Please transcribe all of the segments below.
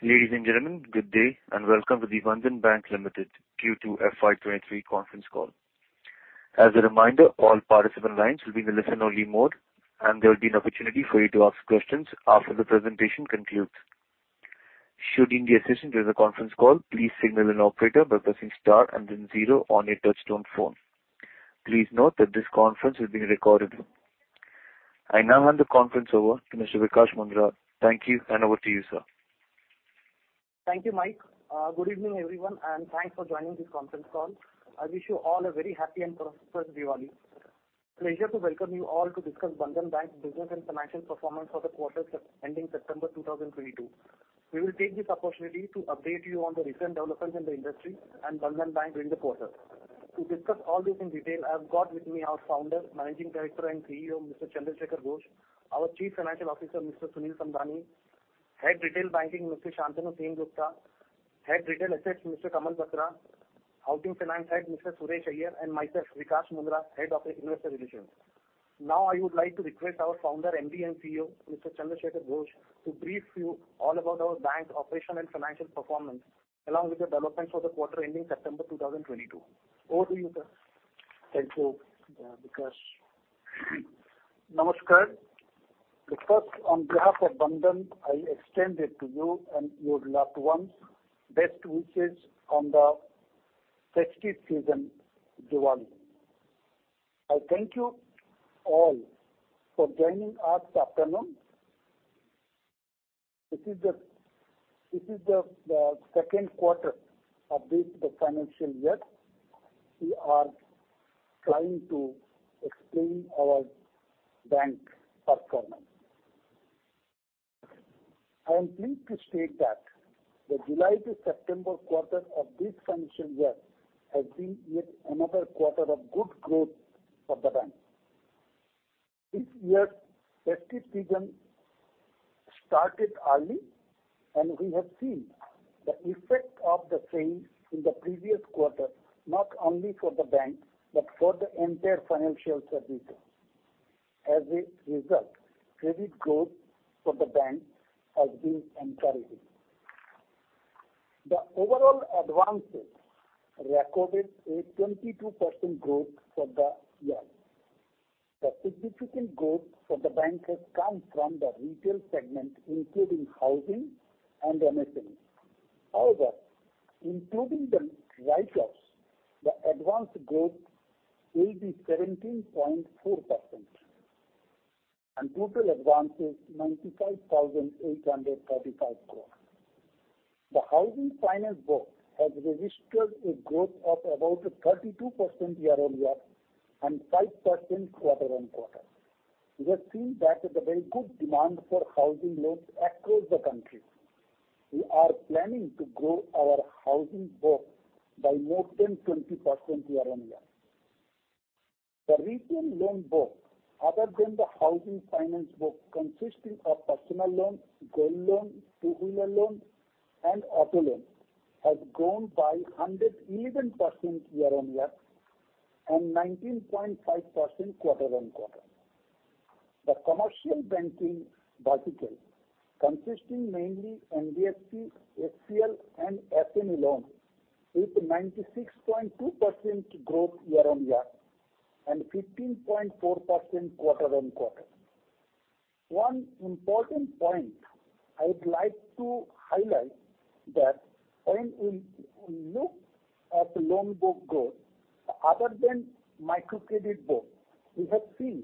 Ladies and gentlemen, good day and welcome to the Bandhan Bank Limited Q2 FY23 conference call. As a reminder, all participant lines will be in a listen-only mode, and there will be an opportunity for you to ask questions after the presentation concludes. Should you need assistance during the conference call, please signal an operator by pressing star and then zero on your touchtone phone. Please note that this conference is being recorded. I now hand the conference over to Mr. Vikash Mundhra. Thank you, and over to you, sir. Thank you, Mike. Good evening, everyone, and thanks for joining this conference call. I wish you all a very happy and prosperous Diwali. Pleasure to welcome you all to discuss Bandhan Bank business and financial performance for the quarter ending September 2022. We will take this opportunity to update you on the recent developments in the industry and Bandhan Bank during the quarter. To discuss all this in detail, I have got with me our Founder, Managing Director and CEO, Mr. Chandra Shekhar Ghosh, our Chief Financial Officer, Mr. Sunil Samdani, Head Retail Banking, Mr. Santanu Sengupta, Head Retail Assets, Mr. Kamal Batra, Housing Finance Head, Mr. Suresh Iyer, and myself, Vikash Mundhra, Head of Investor Relations. Now I would like to request our founder, MD and CEO, Mr. Chandra Shekhar Ghosh, to brief you all about our bank's operation and financial performance, along with the developments for the quarter ending September 2022. Over to you, sir. Thank you, Vikash. Namaskar. First, on behalf of Bandhan, I extend it to you and your loved ones best wishes on the festive season, Diwali. I thank you all for joining us this afternoon. This is the second quarter update of the financial year. We are trying to explain our bank performance. I am pleased to state that the July to September quarter of this financial year has been yet another quarter of good growth for the bank. This year's festive season started early, and we have seen the effect of the same in the previous quarter, not only for the bank but for the entire financial services. As a result, credit growth for the bank has been encouraging. The overall advances recorded a 22% growth for the year. The significant growth for the bank has come from the retail segment, including housing and MSME. However, including the write-offs, the advance growth will be 17.4% and total advances 95,835 crore. The housing finance book has registered a growth of about 32% year-on-year and 5% quarter-on-quarter. We have seen that the very good demand for housing loans across the country. We are planning to grow our housing book by more than 20% year-on-year. The retail loan book, other than the housing finance book consisting of personal loans, gold loans, two-wheeler loans, and auto loans, has grown by 111% year-on-year and 19.5% quarter-on-quarter. The commercial banking vertical, consisting mainly NBFC, ECLGS, and SME loans with 96.2% growth year-on-year and 15.4% quarter-on-quarter. One important point I would like to highlight that when we look at the loan book growth, other than micro credit book, we have seen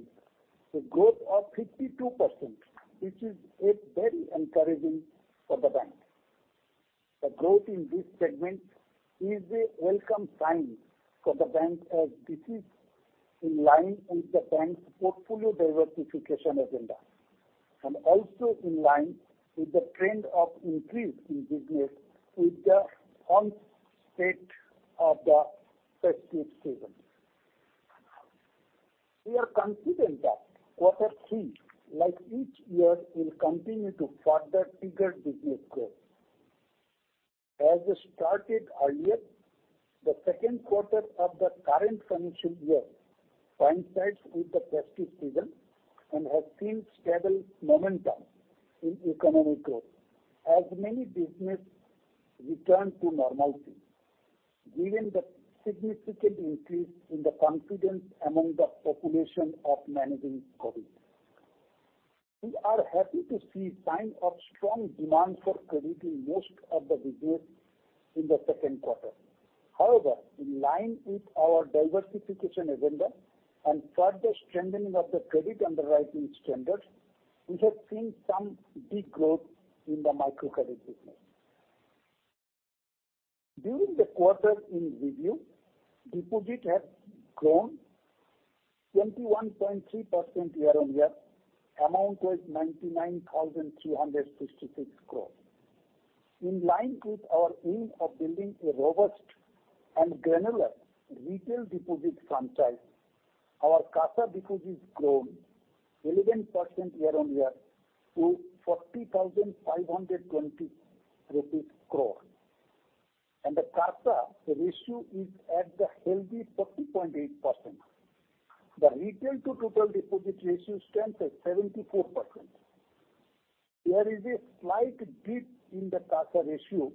a growth of 52%, which is very encouraging for the bank. The growth in this segment is a welcome sign for the bank as this is in line with the bank's portfolio diversification agenda and also in line with the trend of increase in business with the onset of the festive season. We are confident that quarter three, like each year, will continue to further trigger business growth. As we started earlier, the second quarter of the current financial year coincides with the festive season and has seen stable momentum in economic growth as many business return to normalcy given the significant increase in the confidence among the population of managing COVID. We are happy to see sign of strong demand for credit in most of the business in the second quarter. However, in line with our diversification agenda and further strengthening of the credit underwriting standards, we have seen some de-growth in the micro credit business. During the quarter in review, deposit has grown 21.3% year-on-year. Amount was 99,366 crore. In line with our aim of building a robust and granular retail deposit franchise, our CASA deposits grown 11% year-on-year to INR 40,520 crore. The CASA ratio is at the healthy 40.8%. The retail to total deposit ratio stands at 74%. There is a slight dip in the CASA ratio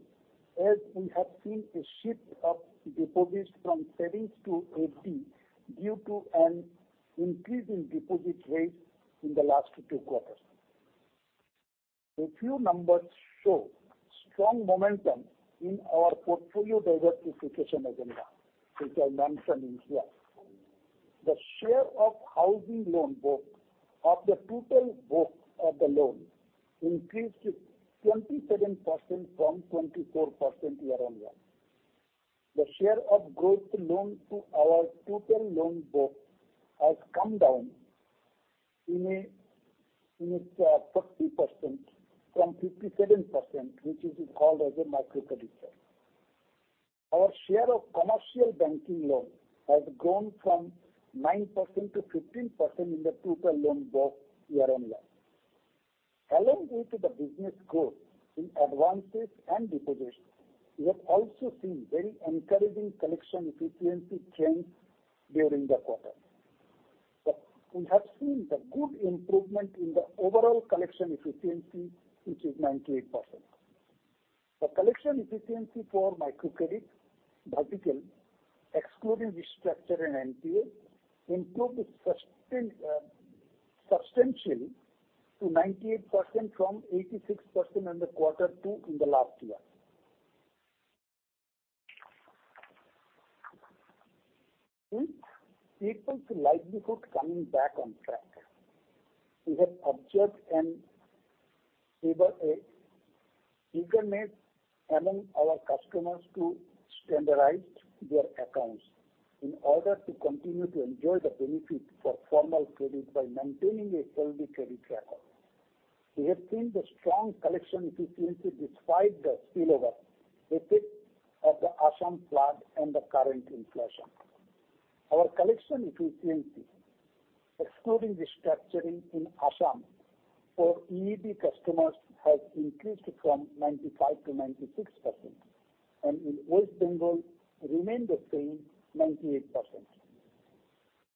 as we have seen a shift of deposits from savings to FD due to an increase in deposit rates in the last two quarters. A few numbers show strong momentum in our portfolio diversification agenda, which I mentioned earlier. The share of housing loan book of the total book of the loan increased to 27% from 24% year-on-year. The share of group loan to our total loan book has come down to 30% from 57%, which is called as a microcredit share. Our share of commercial banking loan has grown from 9% to 15% in the total loan book year-on-year. Along with the business growth in advances and deposits, we have also seen very encouraging collection efficiency trends during the quarter. We have seen the good improvement in the overall collection efficiency, which is 98%. The collection efficiency for microcredit vertical, excluding restructured and NPA, improved substantially to 98% from 86% in quarter two in the last year. With people's livelihood coming back on track, we have observed a notable eagerness among our customers to standardize their accounts in order to continue to enjoy the benefits of formal credit by maintaining a healthy credit record. We have seen strong collection efficiency despite the spillover effect of the Assam flood and the current inflation. Our collection efficiency, excluding the restructuring in Assam for EEB customers, has increased from 95% to 96% and in West Bengal remained the same, 98%.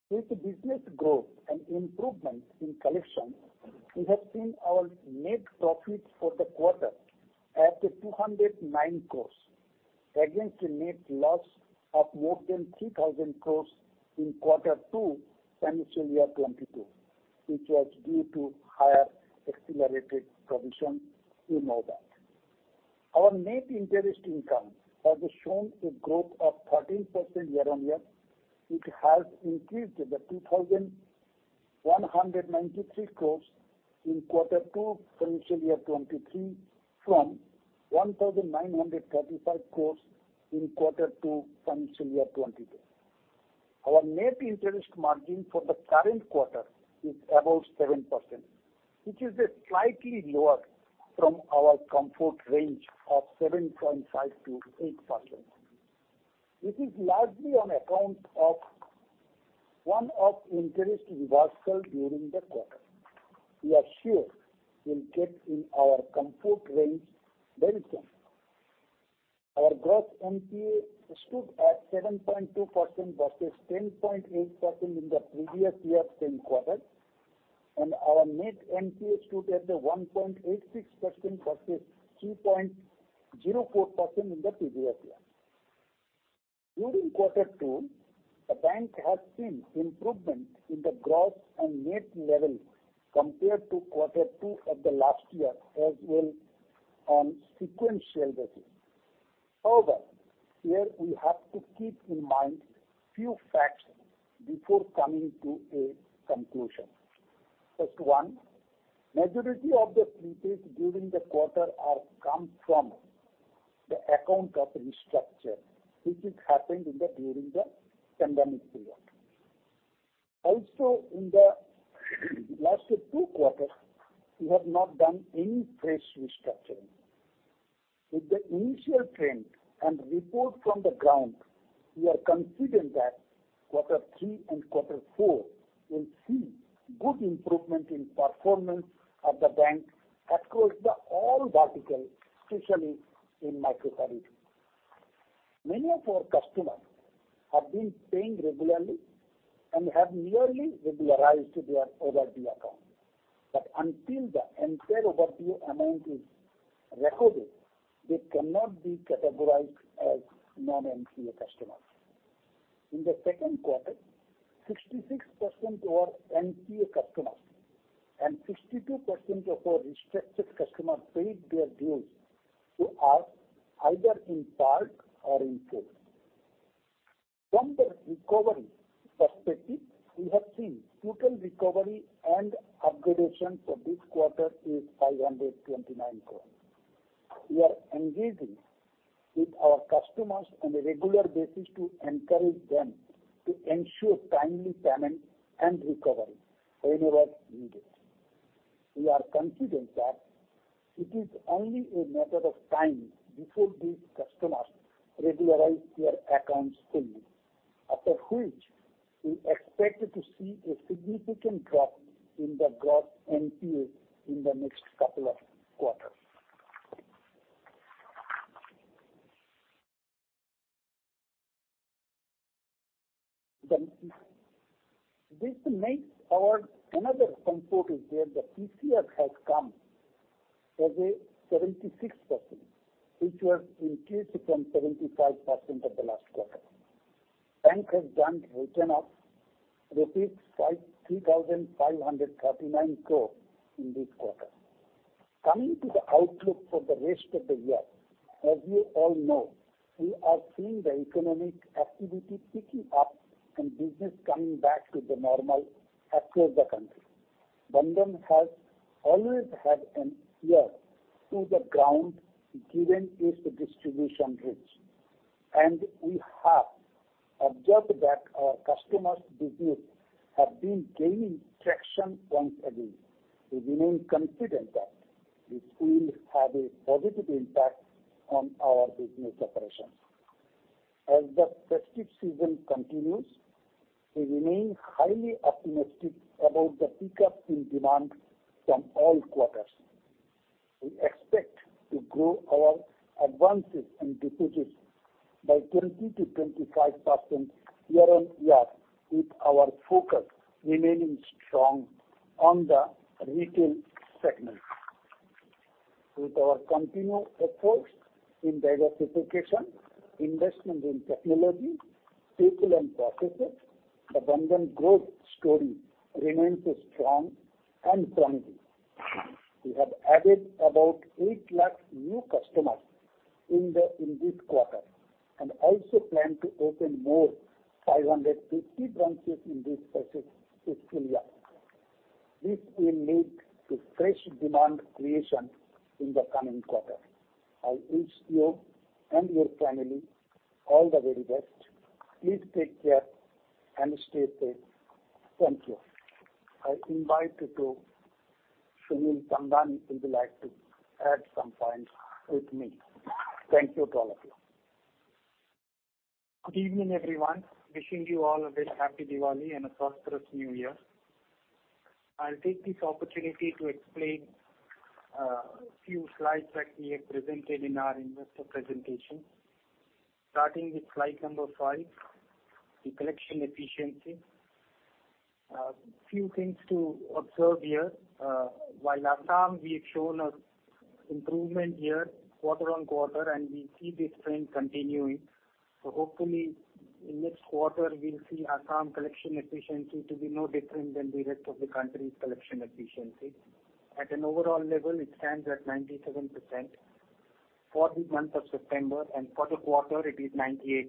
With the business growth and improvement in collection, we have seen our net profits for the quarter at 209 crores against a net loss of more than 3,000 crores in quarter two, financial year 2022, which was due to higher accelerated provision. You know that. Our net interest income has shown a growth of 13% year-on-year, which has increased to 2,193 crores in quarter two, financial year 2023, from 1,935 crores in quarter two, financial year 2022. Our net interest margin for the current quarter is above 7%, which is slightly lower from our comfort range of 7.5%-8%. This is largely on account of one-off interest reversal during the quarter. We are sure we'll get in our comfort range very soon. Our gross NPA stood at 7.2% versus 10.8% in the previous year same quarter, and our net NPA stood at 1.86% versus 2.04% in the previous year. During quarter two, the bank has seen improvement in the gross and net level compared to quarter two of the last year, as well on sequential basis. However, here we have to keep in mind few facts before coming to a conclusion. First one, majority of the treaties during the quarter are come from the account of restructure, which is happened during the pandemic period. Also, in the last two quarters, we have not done any fresh restructuring. With the initial trend and report from the ground, we are confident that quarter three and quarter four will see good improvement in performance of the bank across all verticals, especially in micro credit. Many of our customers have been paying regularly and have nearly regularized their overdue account. Until the entire overdue amount is recovered, they cannot be categorized as non-NPA customers. In the second quarter, 66% of our NPA customers and 62% of our restructured customers paid their dues to us, either in part or in full. From the recovery perspective, we have seen total recovery and upgradation for this quarter is 529 crores. We are engaging with our customers on a regular basis to encourage them to ensure timely payment and recovery whenever needed. We are confident that it is only a matter of time before these customers regularize their accounts fully. After which we expected to see a significant drop in the gross NPA in the next couple of quarters. This makes our another comfort is where the PCR has come as a 76%, which was increased from 75% of the last quarter. Bank has done written off INR 3,539 crore in this quarter. Coming to the outlook for the rest of the year, as you all know, we are seeing the economic activity picking up and business coming back to the normal across the country. Bandhan has always had an ear to the ground given its distribution reach. We have observed that our customers' business have been gaining traction once again. We remain confident that this will have a positive impact on our business operations. As the festive season continues, we remain highly optimistic about the pickup in demand from all quarters. We expect to grow our advances and deposits by 20%-25% year-on-year, with our focus remaining strong on the retail segment. With our continued efforts in diversification, investment in technology, people and processes, the Bandhan growth story remains strong and promising. We have added about 800,000 new customers in this quarter and also plan to open more 550 branches in this fiscal year. This will lead to fresh demand creation in the coming quarter. I wish you and your family all the very best. Please take care and stay safe. Thank you. I invite to Sunil Samdani if you'd like to add some points with me. Thank you to all of you. Good evening, everyone. Wishing you all a very happy Diwali and a prosperous new year. I'll take this opportunity to explain a few slides that we have presented in our investor presentation. Starting with slide number five, the collection efficiency. Few things to observe here. While Assam, we have shown an improvement here quarter-on-quarter, and we see this trend continuing. Hopefully in next quarter we'll see Assam collection efficiency to be no different than the rest of the country's collection efficiency. At an overall level, it stands at 97% for the month of September and for the quarter it is 98%.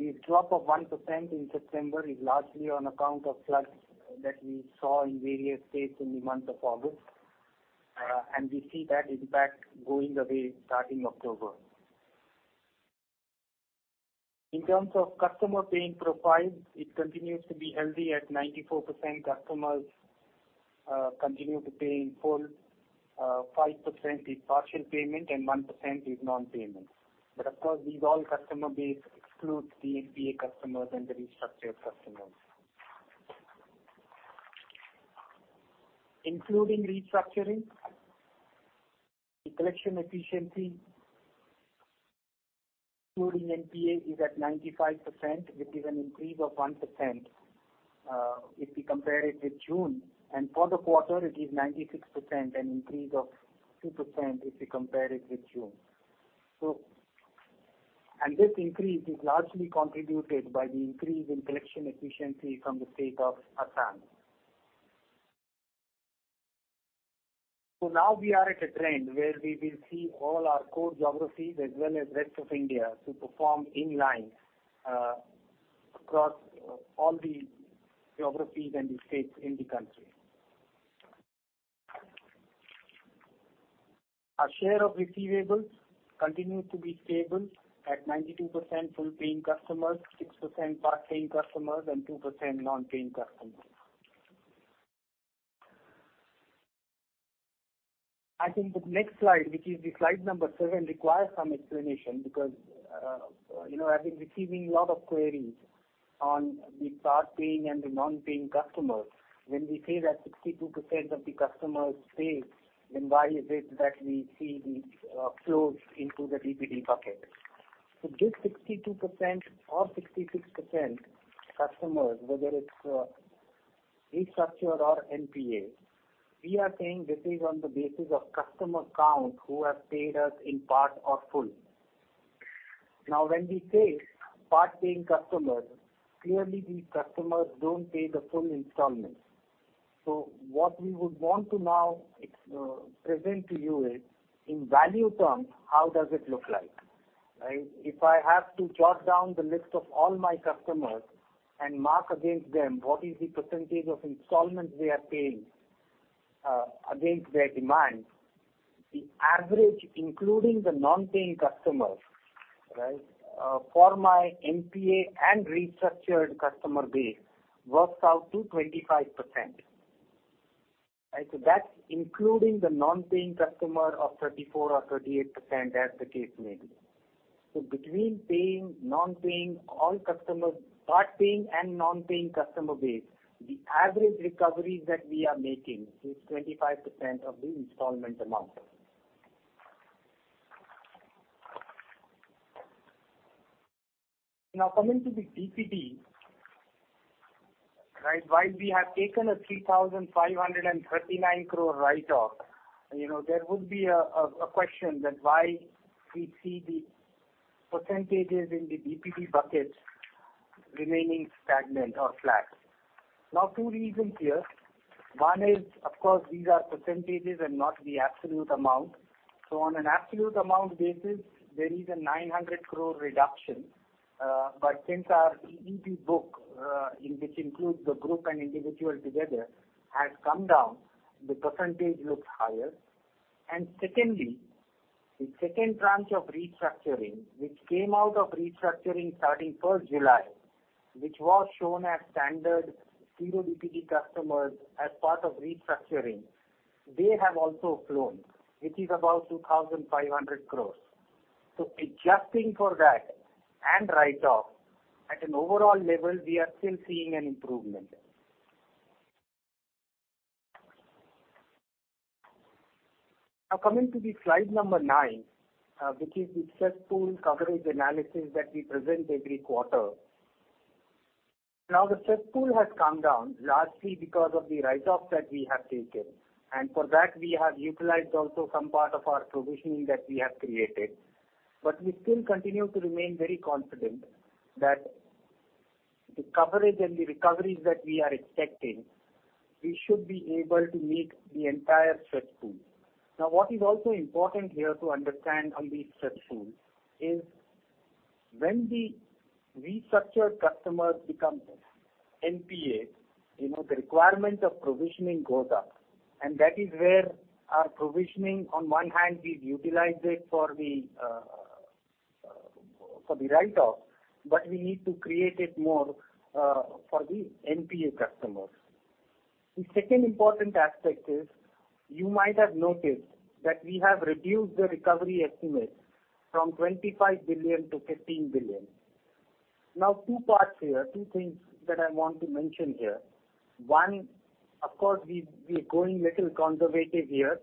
The drop of 1% in September is largely on account of floods that we saw in various states in the month of August, and we see that impact going away starting October. In terms of customer paying profile, it continues to be healthy at 94% customers continue to pay in full, 5% is partial payment, and 1% is non-payment. Of course, these all customer base excludes the NPA customers and the restructured customers. Including restructuring, the collection efficiency including NPA is at 95%, which is an increase of 1% if we compare it with June. For the quarter it is 96%, an increase of 2% if we compare it with June. This increase is largely contributed by the increase in collection efficiency from the State of Assam. Now we are at a trend where we will see all our core geographies as well as rest of India to perform in line, across all the geographies and the states in the country. Our share of receivables continues to be stable at 92% full paying customers, 6% part paying customers, and 2% non-paying customers. I think the next slide, which is the slide number seven, requires some explanation because, you know, I've been receiving a lot of queries on the part paying and the non-paying customers. When we say that 62% of the customers pay, then why is it that we see these, flows into the DPD bucket? This 62% or 66% customers, whether it's, restructured or NPA, we are saying this is on the basis of customer count who have paid us in part or full. Now, when we say part-paying customers, clearly these customers don't pay the full installments. What we would want to now present to you is in value terms how does it look like, right? If I have to jot down the list of all my customers and mark against them what is the percentage of installments they are paying, against their demands, the average, including the non-paying customers, right, for my NPA and restructured customer base works out to 25%. Right. That's including the non-paying customer of 34% or 38% as the case may be. Between paying, non-paying, all customers, part-paying and non-paying customer base, the average recoveries that we are making is 25% of the installment amount. Now coming to the DPD, right? While we have taken a 3,539 crore write-off, you know, there would be a question that why we see the percentages in the DPD buckets remaining stagnant or flat. Now, two reasons here. One is, of course, these are percentages and not the absolute amount. On an absolute amount basis, there is a 900 crore reduction. Since our DPD book, in which includes the group and individual together, has come down, the percentage looks higher. Secondly, the second tranche of restructuring which came out of restructuring starting first July, which was shown as standard zero DPD customers as part of restructuring, they have also flown, which is about 2,500 crore. Adjusting for that and write-off, at an overall level, we are still seeing an improvement. Now coming to the slide number nine, which is the EEB pool coverage analysis that we present every quarter. Now, the EEB pool has come down largely because of the write-off that we have taken, and for that we have utilized also some part of our provisioning that we have created. We still continue to remain very confident that the coverage and the recoveries that we are expecting, we should be able to meet the entire EEB pool. Now what is also important here to understand on the EEB pool is when the restructured customers become NPA, you know, the requirement of provisioning goes up, and that is where our provisioning on one hand is utilized for the write-off, but we need to create it more for the NPA customers. The second important aspect is you might have noticed that we have reduced the recovery estimate from 25 billion to 15 billion. Now, two parts here, two things that I want to mention here. One, of course, we're going little conservative here.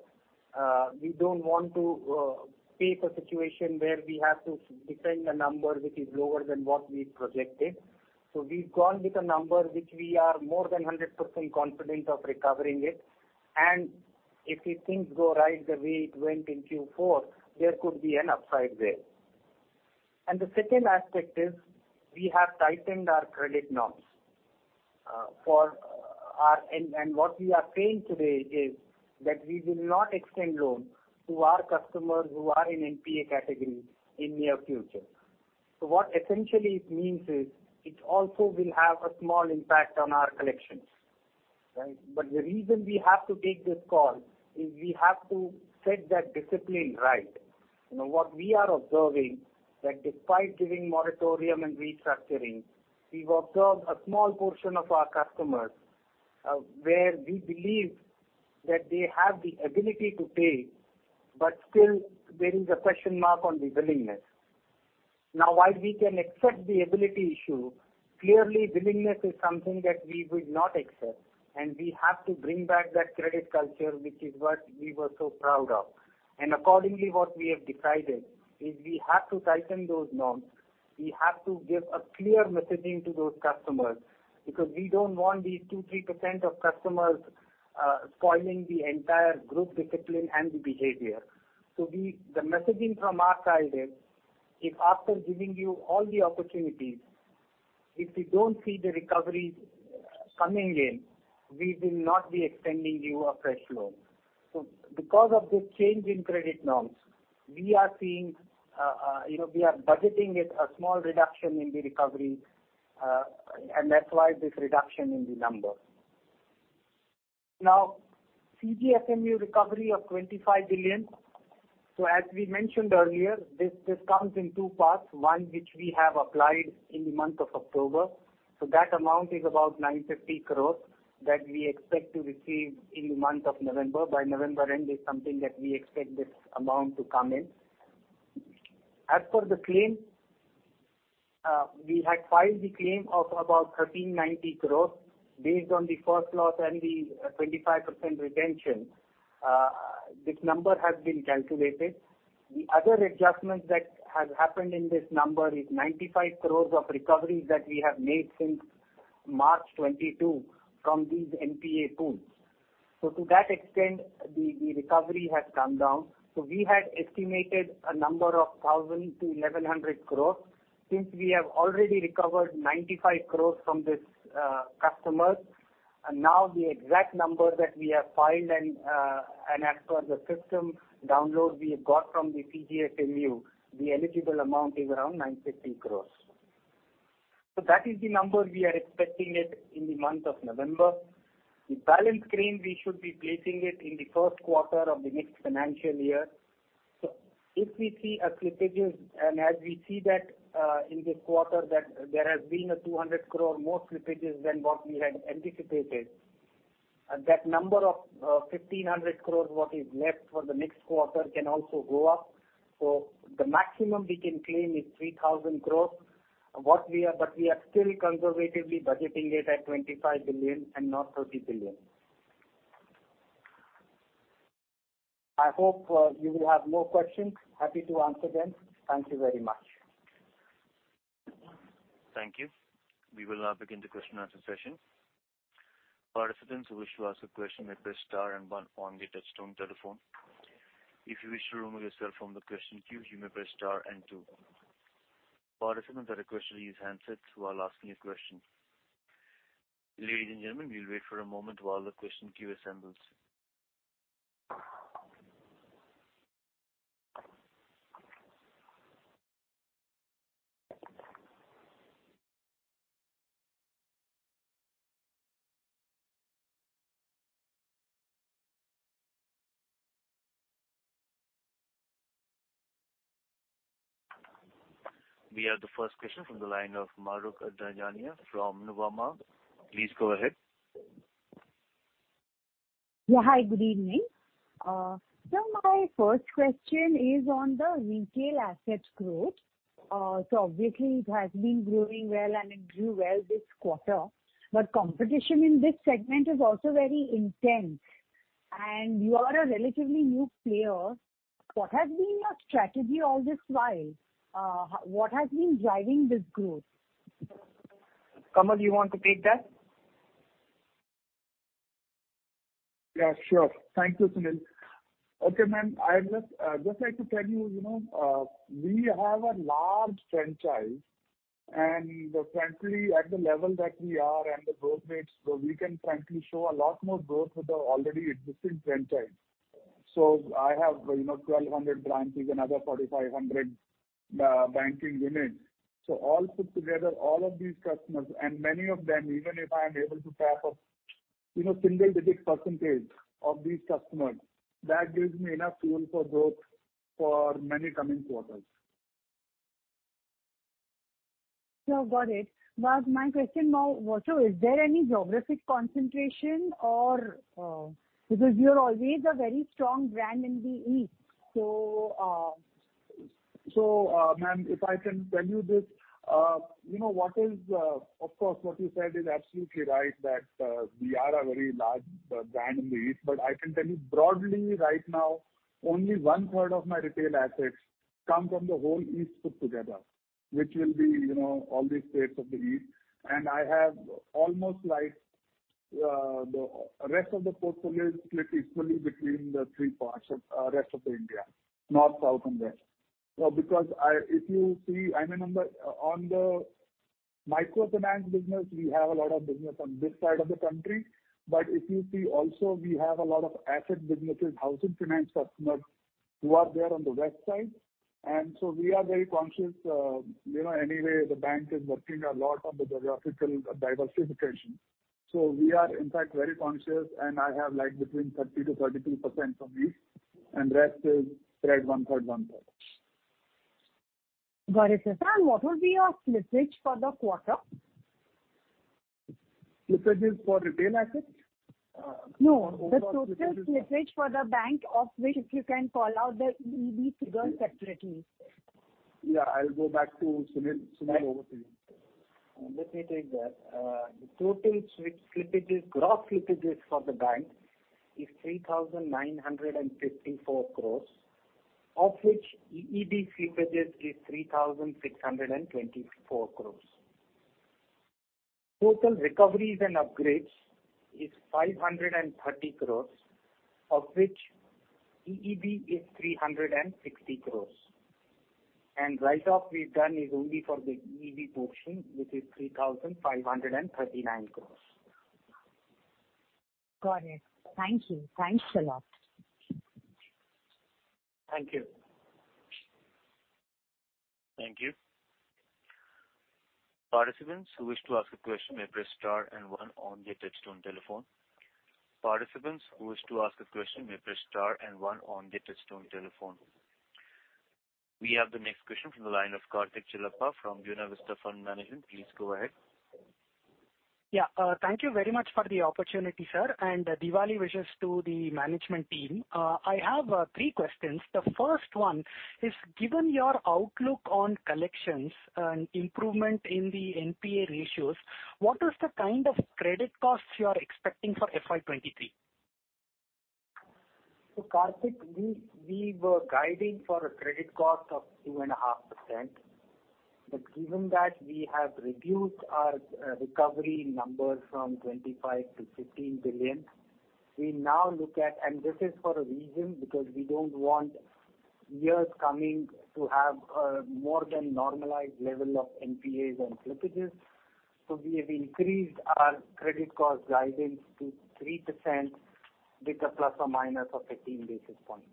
We don't want to face a situation where we have to defend a number which is lower than what we projected. We've gone with a number which we are more than 100% confident of recovering it. If the things go right, the way it went in Q4, there could be an upside there. The second aspect is we have tightened our credit norms. What we are saying today is that we will not extend loan to our customers who are in NPA category in near future. What essentially it means is it also will have a small impact on our collections, right? The reason we have to take this call is we have to set that discipline right. You know, what we are observing that despite giving moratorium and restructuring, we've observed a small portion of our customers, where we believe that they have the ability to pay, but still there is a question mark on the willingness. Now, while we can accept the ability issue, clearly willingness is something that we will not accept, and we have to bring back that credit culture, which is what we were so proud of. Accordingly, what we have decided is we have to tighten those norms. We have to give a clear messaging to those customers because we don't want these 2-3% of customers spoiling the entire group discipline and the behavior. The messaging from our side is if after giving you all the opportunities, if we don't see the recoveries coming in, we will not be extending you a fresh loan. Because of this change in credit norms, we are seeing, you know, we are budgeting it a small reduction in the recovery, and that's why this reduction in the number. Now, CGFMU recovery of 25 billion. As we mentioned earlier, this comes in two parts, one which we have applied in the month of October. That amount is about 950 crore that we expect to receive in the month of November. By November end is something that we expect this amount to come in. As per the claim, we had filed the claim of about 1,390 crore based on the first loss and the 25% retention. This number has been calculated. The other adjustments that has happened in this number is 95 crore of recoveries that we have made since March 2022 from these NPA pools. To that extent, the recovery has come down. We had estimated a number of 1,000 crore-1,100 crore. Since we have already recovered 95 crore from these customers, now the exact number that we have filed and as per the system download we have got from the CGFMU, the eligible amount is around 950 crore. That is the number we are expecting it in the month of November. The balance claim, we should be placing it in the first quarter of the next financial year. If we see slippage and as we see that, in this quarter that there has been 200 crore more slippage than what we had anticipated. That number of 1,500 crore what is left for the next quarter can also go up. The maximum we can claim is 3,000 crore. But we are still conservatively budgeting it at 25 billion and not 30 billion. I hope you will have more questions. Happy to answer them. Thank you very much. Thank you. We will now begin the question answer session. Participants who wish to ask a question may press star and one on the touchtone telephone. If you wish to remove yourself from the question queue, you may press star and two. Participants are requested to use handsets while asking a question. Ladies and gentlemen, we'll wait for a moment while the question queue assembles. We have the first question from the line of Mahrukh Adajania from Nuvama. Please go ahead. Yeah. Hi, good evening. My first question is on the retail asset growth. Obviously it has been growing well and it grew well this quarter, but competition in this segment is also very intense and you are a relatively new player. What has been your strategy all this while? What has been driving this growth? Kamal, you want to take that? Yeah, sure. Thank you, Sunil. Okay, ma'am, I would just like to tell you know, we have a large franchise and frankly at the level that we are and the growth rates, so we can frankly show a lot more growth with the already existing franchise. I have, you know, 1,200 branches, another 4,500 banking units. All put together all of these customers and many of them, even if I am able to tap a, you know, single-digit percentage of these customers, that gives me enough fuel for growth for many coming quarters. Yeah, got it. Was my question more so, is there any geographic concentration or, because you're always a very strong brand in the east? Ma'am, if I can tell you this, you know, of course, what you said is absolutely right that we are a very large brand in the East, but I can tell you broadly right now, only one third of my retail assets come from the whole East put together, which will be, you know, all the states of the East. I have almost like the rest of the portfolio split equally between the three parts of rest of India, North, South, and West. Because I, if you see, I mean on the microfinance business, we have a lot of business on this side of the country. If you see also we have a lot of asset businesses, housing finance customers who are there on the West side. We are very conscious, you know, anyway the bank is working a lot on the geographical diversification. We are in fact very conscious and I have like between 30%-32% from east and rest is spread one third, one third. Got it, sir. What will be your slippage for the quarter? Slippage is for retail assets? No, the total slippage for the bank of which if you can call out the EEB figure separately. Yeah, I'll go back to Sunil. Sunil, over to you. Let me take that. The total slippage is, gross slippage is for the bank is 3,954 crores, of which EEB slippage is 3,624 crores. Total recoveries and upgrades is 530 crores, of which EEB is 360 crores. Write-off we've done is only for the EEB portion, which is 3,539 crores. Got it. Thank you. Thanks a lot. Thank you. Thank you. Participants who wish to ask a question may press star and one on their touch-tone telephone. We have the next question from the line of Karthik Chellappa from Buena Vista Fund Management. Please go ahead. Yeah. Thank you very much for the opportunity, sir. Diwali wishes to the management team. I have three questions. The first one is, given your outlook on collections and improvement in the NPA ratios, what is the kind of credit costs you are expecting for FY 2023? Karthik, we were guiding for a credit cost of 2.5%. Given that we have reduced our recovery number from 25 billion to 15 billion, we now look at, and this is for a reason because we don't want years to come to have more than normalized level of NPAs and slippages. We have increased our credit cost guidance to 3% with a ±15 basis points.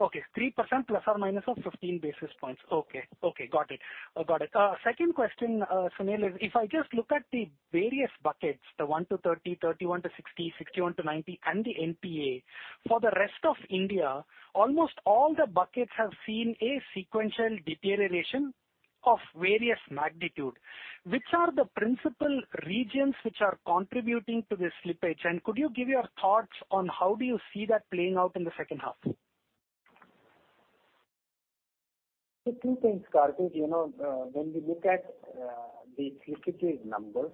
Okay, 3% ±15 basis points. Okay, got it. Second question, Sunil, is if I just look at the various buckets, the 1-30, 31-60, 61-90 and the NPA, for the rest of India, almost all the buckets have seen a sequential deterioration of various magnitude. Which are the principal regions which are contributing to this slippage? And could you give your thoughts on how do you see that playing out in the second half? Two things, Karthik. You know, when we look at the slippage numbers,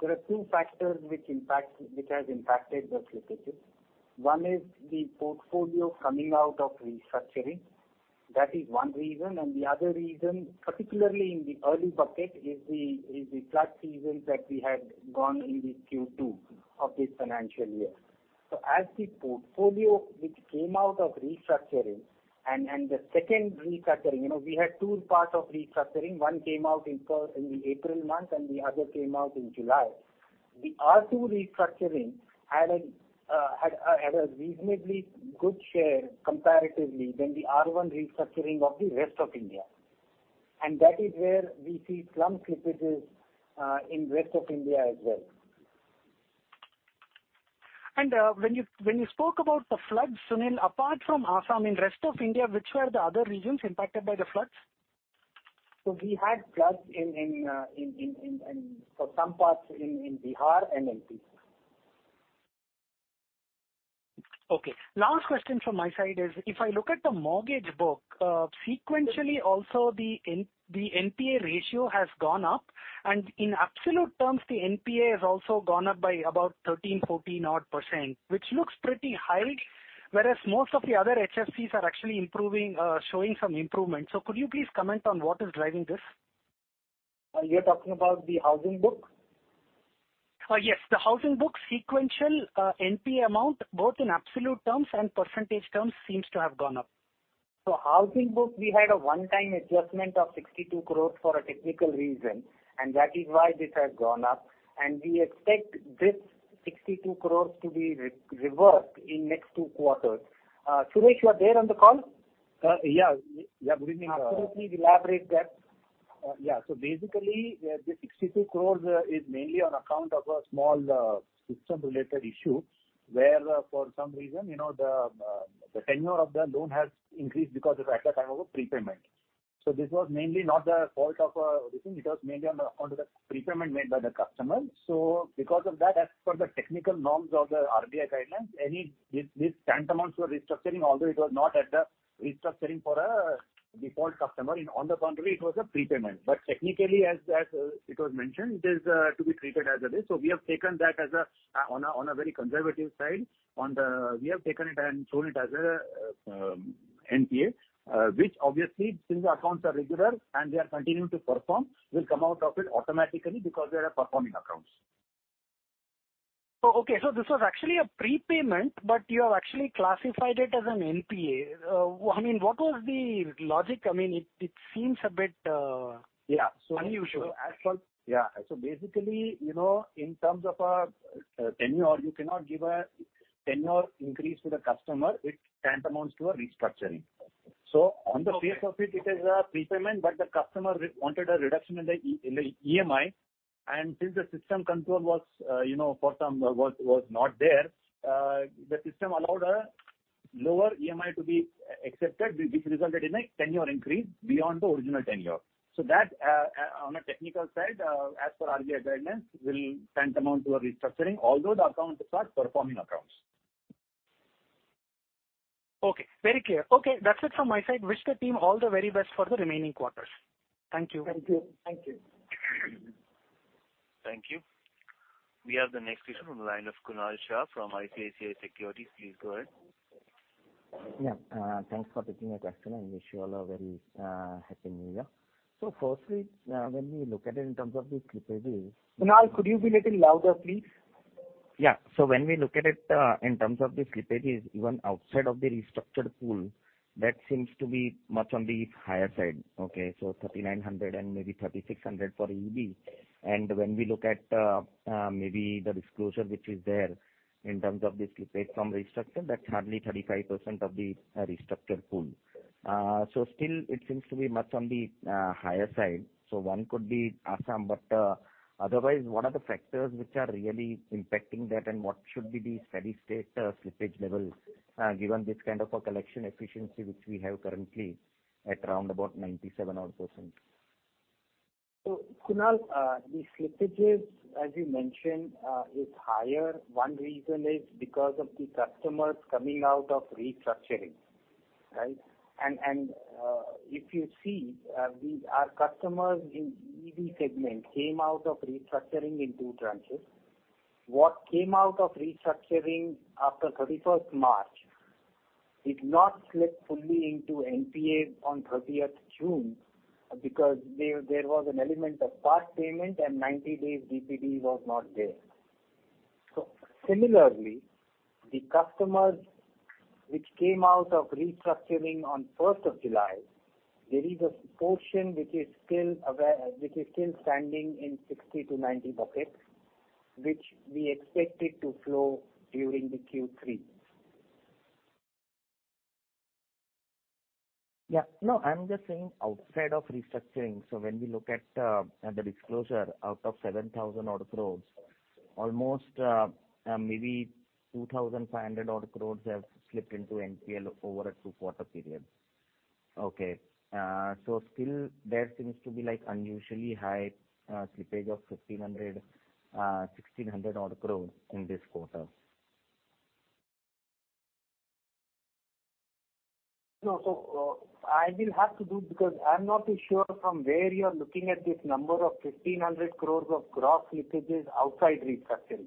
there are two factors which has impacted the slippage. One is the portfolio coming out of restructuring. That is one reason. The other reason, particularly in the early bucket, is the flood seasons that we had gone in the Q2 of this financial year. As the portfolio which came out of restructuring and the second restructuring. You know, we had two parts of restructuring. One came out in the April month, and the other came out in July. The R2 restructuring had a reasonably good share comparatively than the R1 restructuring of the rest of India. That is where we see some slippages in rest of India as well. When you spoke about the floods, Sunil, apart from Assam, in rest of India, which were the other regions impacted by the floods? We had floods in some parts in Bihar and MP. Okay. Last question from my side is, if I look at the mortgage book, sequentially also the NPA ratio has gone up, and in absolute terms, the NPA has also gone up by about 13%-14%, which looks pretty high, whereas most of the other HFCs are actually improving, showing some improvement. Could you please comment on what is driving this? You're talking about the housing book? Yes, the housing book sequential NPA amount, both in absolute terms and percentage terms, seems to have gone up. Housing book, we had a one-time adjustment of 62 crore for a technical reason, and that is why this has gone up. We expect this 62 crore to be reversed in next two quarters. Suresh, you are there on the call? Yeah. Yeah, good evening. Can you please elaborate that? Yeah. Basically, the 62 crore is mainly on account of a small system-related issue where for some reason, you know, the tenure of the loan has increased because of lack of time of a prepayment. This was mainly not the fault of this. It was mainly on the, on to the prepayment made by the customer. Because of that, as per the technical norms of the RBI guidelines, this tantamount to a restructuring, although it was not at the restructuring for a default customer. In all the country it was a prepayment. Technically, as it was mentioned, it is to be treated as it is. We have taken that as a on a very conservative side. We have taken it and shown it as a NPA, which obviously, since the accounts are regular and they are continuing to perform, will come out of it automatically because they are performing accounts. Oh, okay. This was actually a prepayment, but you have actually classified it as an NPA. I mean, what was the logic? I mean, it seems a bit. Yeah. Unusual. Basically, you know, in terms of a tenure, you cannot give a tenure increase to the customer. It tantamounts to a restructuring. On the face of it. Okay. It is a prepayment, but the customer wanted a reduction in the EMI, and since the system control was not there, the system allowed a lower EMI to be accepted which resulted in a tenure increase beyond the original tenure. That, on a technical side, as per RBI guidelines, will tantamount to a restructuring, although the accounts are performing accounts. Okay, very clear. Okay, that's it from my side. Wish the team all the very best for the remaining quarters. Thank you. Thank you. Thank you. Thank you. We have the next question from the line of Kunal Shah from ICICI Securities. Please go ahead. Yeah. Thanks for taking my question, and wish you all a very happy new year. Firstly, when we look at it in terms of the slippages. Kunal, could you be a little louder, please? Yeah. When we look at it, in terms of the slippages, even outside of the restructured pool, that seems to be much on the higher side. Okay, 3,900 and maybe 3,600 for EB. When we look at, maybe the disclosure which is there in terms of the slippage from restructured, that's hardly 35% of the restructured pool. Still it seems to be much on the higher side. One could be Assam. Otherwise what are the factors which are really impacting that and what should be the steady state slippage levels, given this kind of a collection efficiency which we have currently at around about 97%? Kunal, the slippages, as you mentioned, is higher. One reason is because of the customers coming out of restructuring, right? If you see, our customers in EV segment came out of restructuring in two tranches. What came out of restructuring after 31st March did not slip fully into NPA on 30th June because there was an element of part payment and 90-day DPD was not there. Similarly, the customers which came out of restructuring on 1st of July, there is a portion which is still standing in 60-90 bucket. Which we expected to flow during Q3. Yeah. No, I'm just saying outside of restructuring. When we look at the disclosure out of 7,000 crore, almost maybe 2,500 crore have slipped into NPL over a two-quarter period. Okay. Still there seems to be like unusually high slippage of 1,500-1,600 crore in this quarter. No. I will have to do because I'm not too sure from where you're looking at this number of 1,500 crores of gross slippages outside restructuring.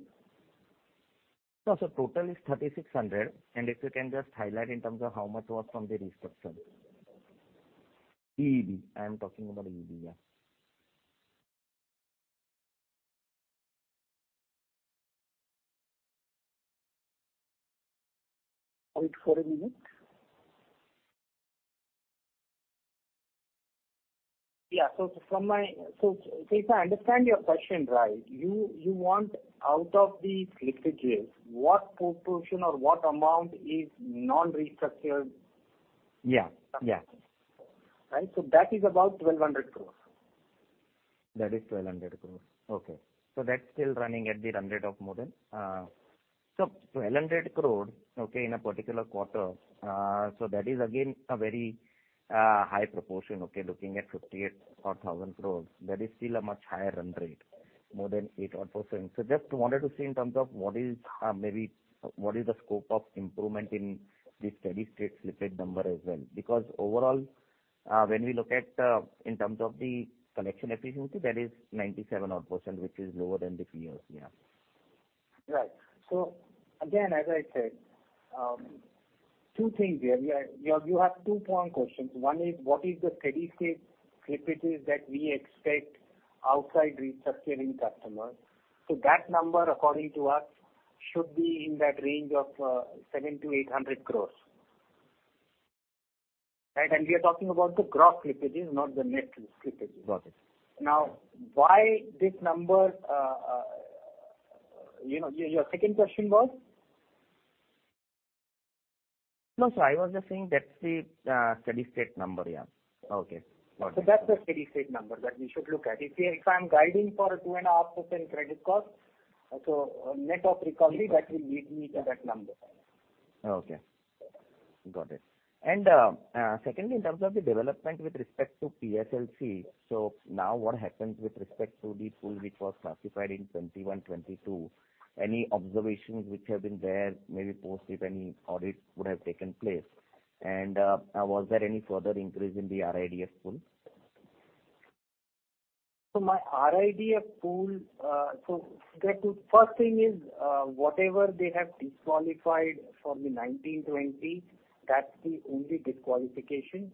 No. Total is 3,600. If you can just highlight in terms of how much was from the restructure. EEB. I am talking about EEB, yeah. Wait for a minute. Yeah. If I understand your question right, you want out of these slippages, what proportion or what amount is non-restructured. Yeah. Yeah. Right. That is about 1,200 crores. That is 1,200 crore. Okay. That's still running at the run rate of more than 1,200 crore, okay, in a particular quarter, so that is again a very high proportion, okay, looking at 58-odd thousand crore. That is still a much higher run rate, more than 8-odd%. Just wanted to see in terms of what is maybe what is the scope of improvement in the steady-state slippage number as well. Because overall, when we look at in terms of the collection efficiency, that is 97-odd%, which is lower than the previous year. Right. Again, as I said, two things here. You have two-pronged questions. One is what is the steady-state slippages that we expect outside restructuring customers. That number, according to us, should be in that range of 700-800 crores. Right? We are talking about the gross slippages, not the net slippages. Got it. Now, why this number? You know, your second question was? No, I was just saying that's the steady-state number. Yeah. Okay. Got it. That's the steady-state number that we should look at. If I'm guiding for a 2.5% credit cost, so net of recovery, that will lead me to that number. Okay. Got it. Secondly, in terms of the development with respect to PSLC, so now what happens with respect to the pool which was classified in 2021, 2022? Any observations which have been there, maybe post if any audit would have taken place? Was there any further increase in the RIDF pool? First thing is, whatever they have disqualified for the 2019, 2020, that's the only disqualification.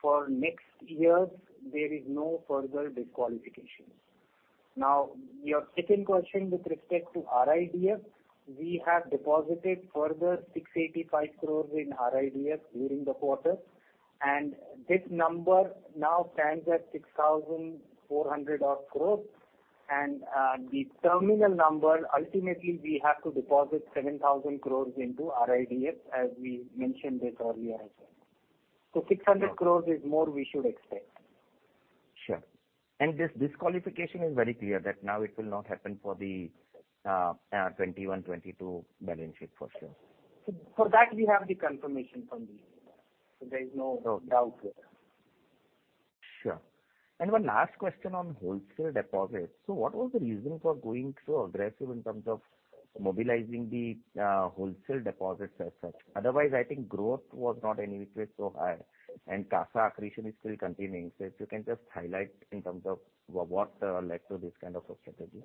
For next years, there is no further disqualifications. Now, your second question with respect to RIDF, we have deposited further 685 crore in RIDF during the quarter, and this number now stands at 6,400 odd crore. The terminal number, ultimately we have to deposit 7,000 crore into RIDF, as we mentioned it earlier as well. 600 crore more we should expect. Sure. This disqualification is very clear that now it will not happen for the 21-22 balance sheet for sure. For that, we have the confirmation from them. There is no doubt there. Sure. One last question on wholesale deposits. What was the reason for going so aggressive in terms of mobilizing the wholesale deposits as such? Otherwise, I think growth was not anyway so high and CASA accretion is still continuing. If you can just highlight in terms of what led to this kind of a strategy.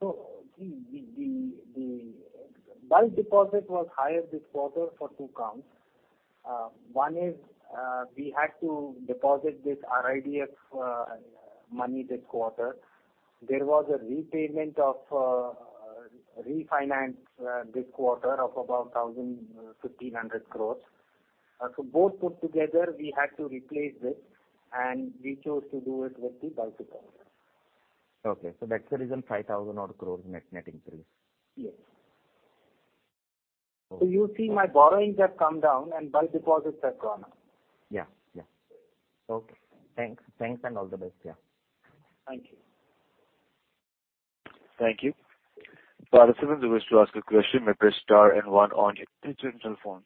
The bulk deposit was higher this quarter for two counts. One is, we had to deposit this RIDF money this quarter. There was a repayment of refinance this quarter of about 1,000-1,500 crore. Both put together, we had to replace this, and we chose to do it with the bulk deposit. That's the reason 5,000-odd crore net increase. Yes. You see my borrowings have come down and bulk deposits have gone up. Yeah. Okay. Thanks and all the best. Yeah. Thank you. Thank you. Participants who wish to ask a question may press star and one on your telephone.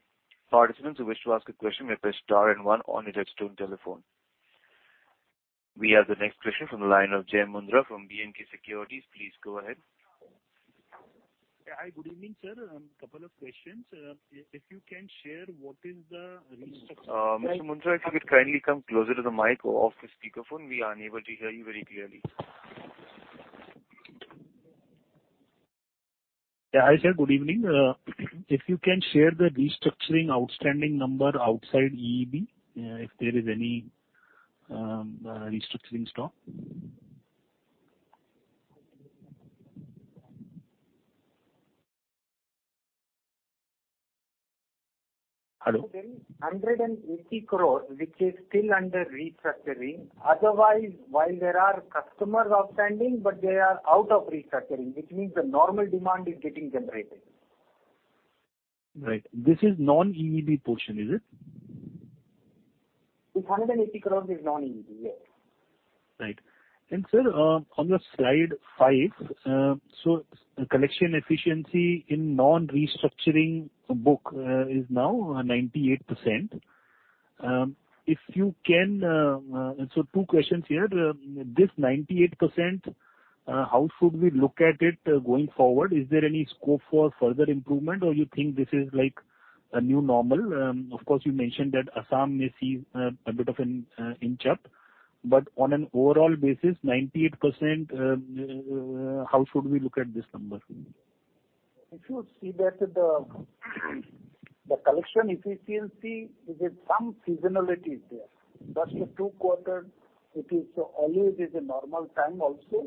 We have the next question from the line of Jai Mundhra from B&K Securities. Please go ahead. Yeah. Hi, good evening, sir. Couple of questions. If you can share what is the restructure- Mr. Mundhra, if you could kindly come closer to the mic or off the speakerphone. We are unable to hear you very clearly. Yeah. Hi, sir. Good evening. If you can share the restructuring outstanding number outside EEB, if there is any, restructuring stock. Hello. 180 crore, which is still under restructuring. Otherwise, while there are customers outstanding, but they are out of restructuring, which means the normal demand is getting generated. Right. This is non-EEB portion, is it? This INR 180 crore is non-EEB, yes. Right. Sir, on the slide five, collection efficiency in non-restructuring book is now 98%. Two questions here. This 98%, how should we look at it going forward? Is there any scope for further improvement or you think this is like a new normal? Of course, you mentioned that Assam may see a bit of an inch up. On an overall basis, 98%, how should we look at this number? If you see that the collection efficiency, there's some seasonality is there. First two quarters, it is always a normal time also,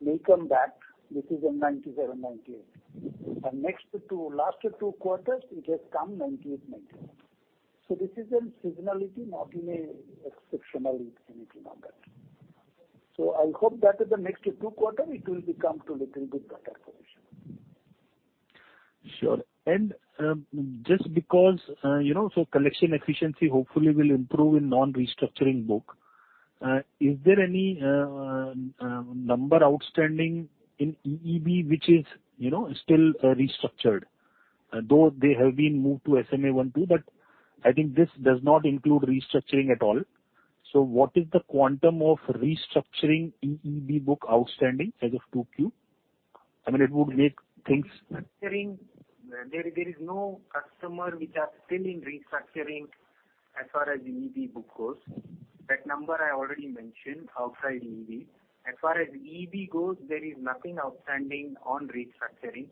may come back. This is in 97%-98%. Next two last two quarters it has come 98%-99%. This is seasonality, not a exceptional anything number. I hope that in the next two quarter it will become to little bit better position. Sure. Just because, you know, collection efficiency hopefully will improve in non-restructuring book. Is there any number outstanding in EEB which is, you know, still restructured, though they have been moved to SMA one, two, but I think this does not include restructuring at all. What is the quantum of restructuring in EEB book outstanding as of 2Q? I mean, it would make things. Restructuring, there is no customer which are still in restructuring as far as EEB book goes. That number I already mentioned outside EEB. As far as EEB goes, there is nothing outstanding on restructuring.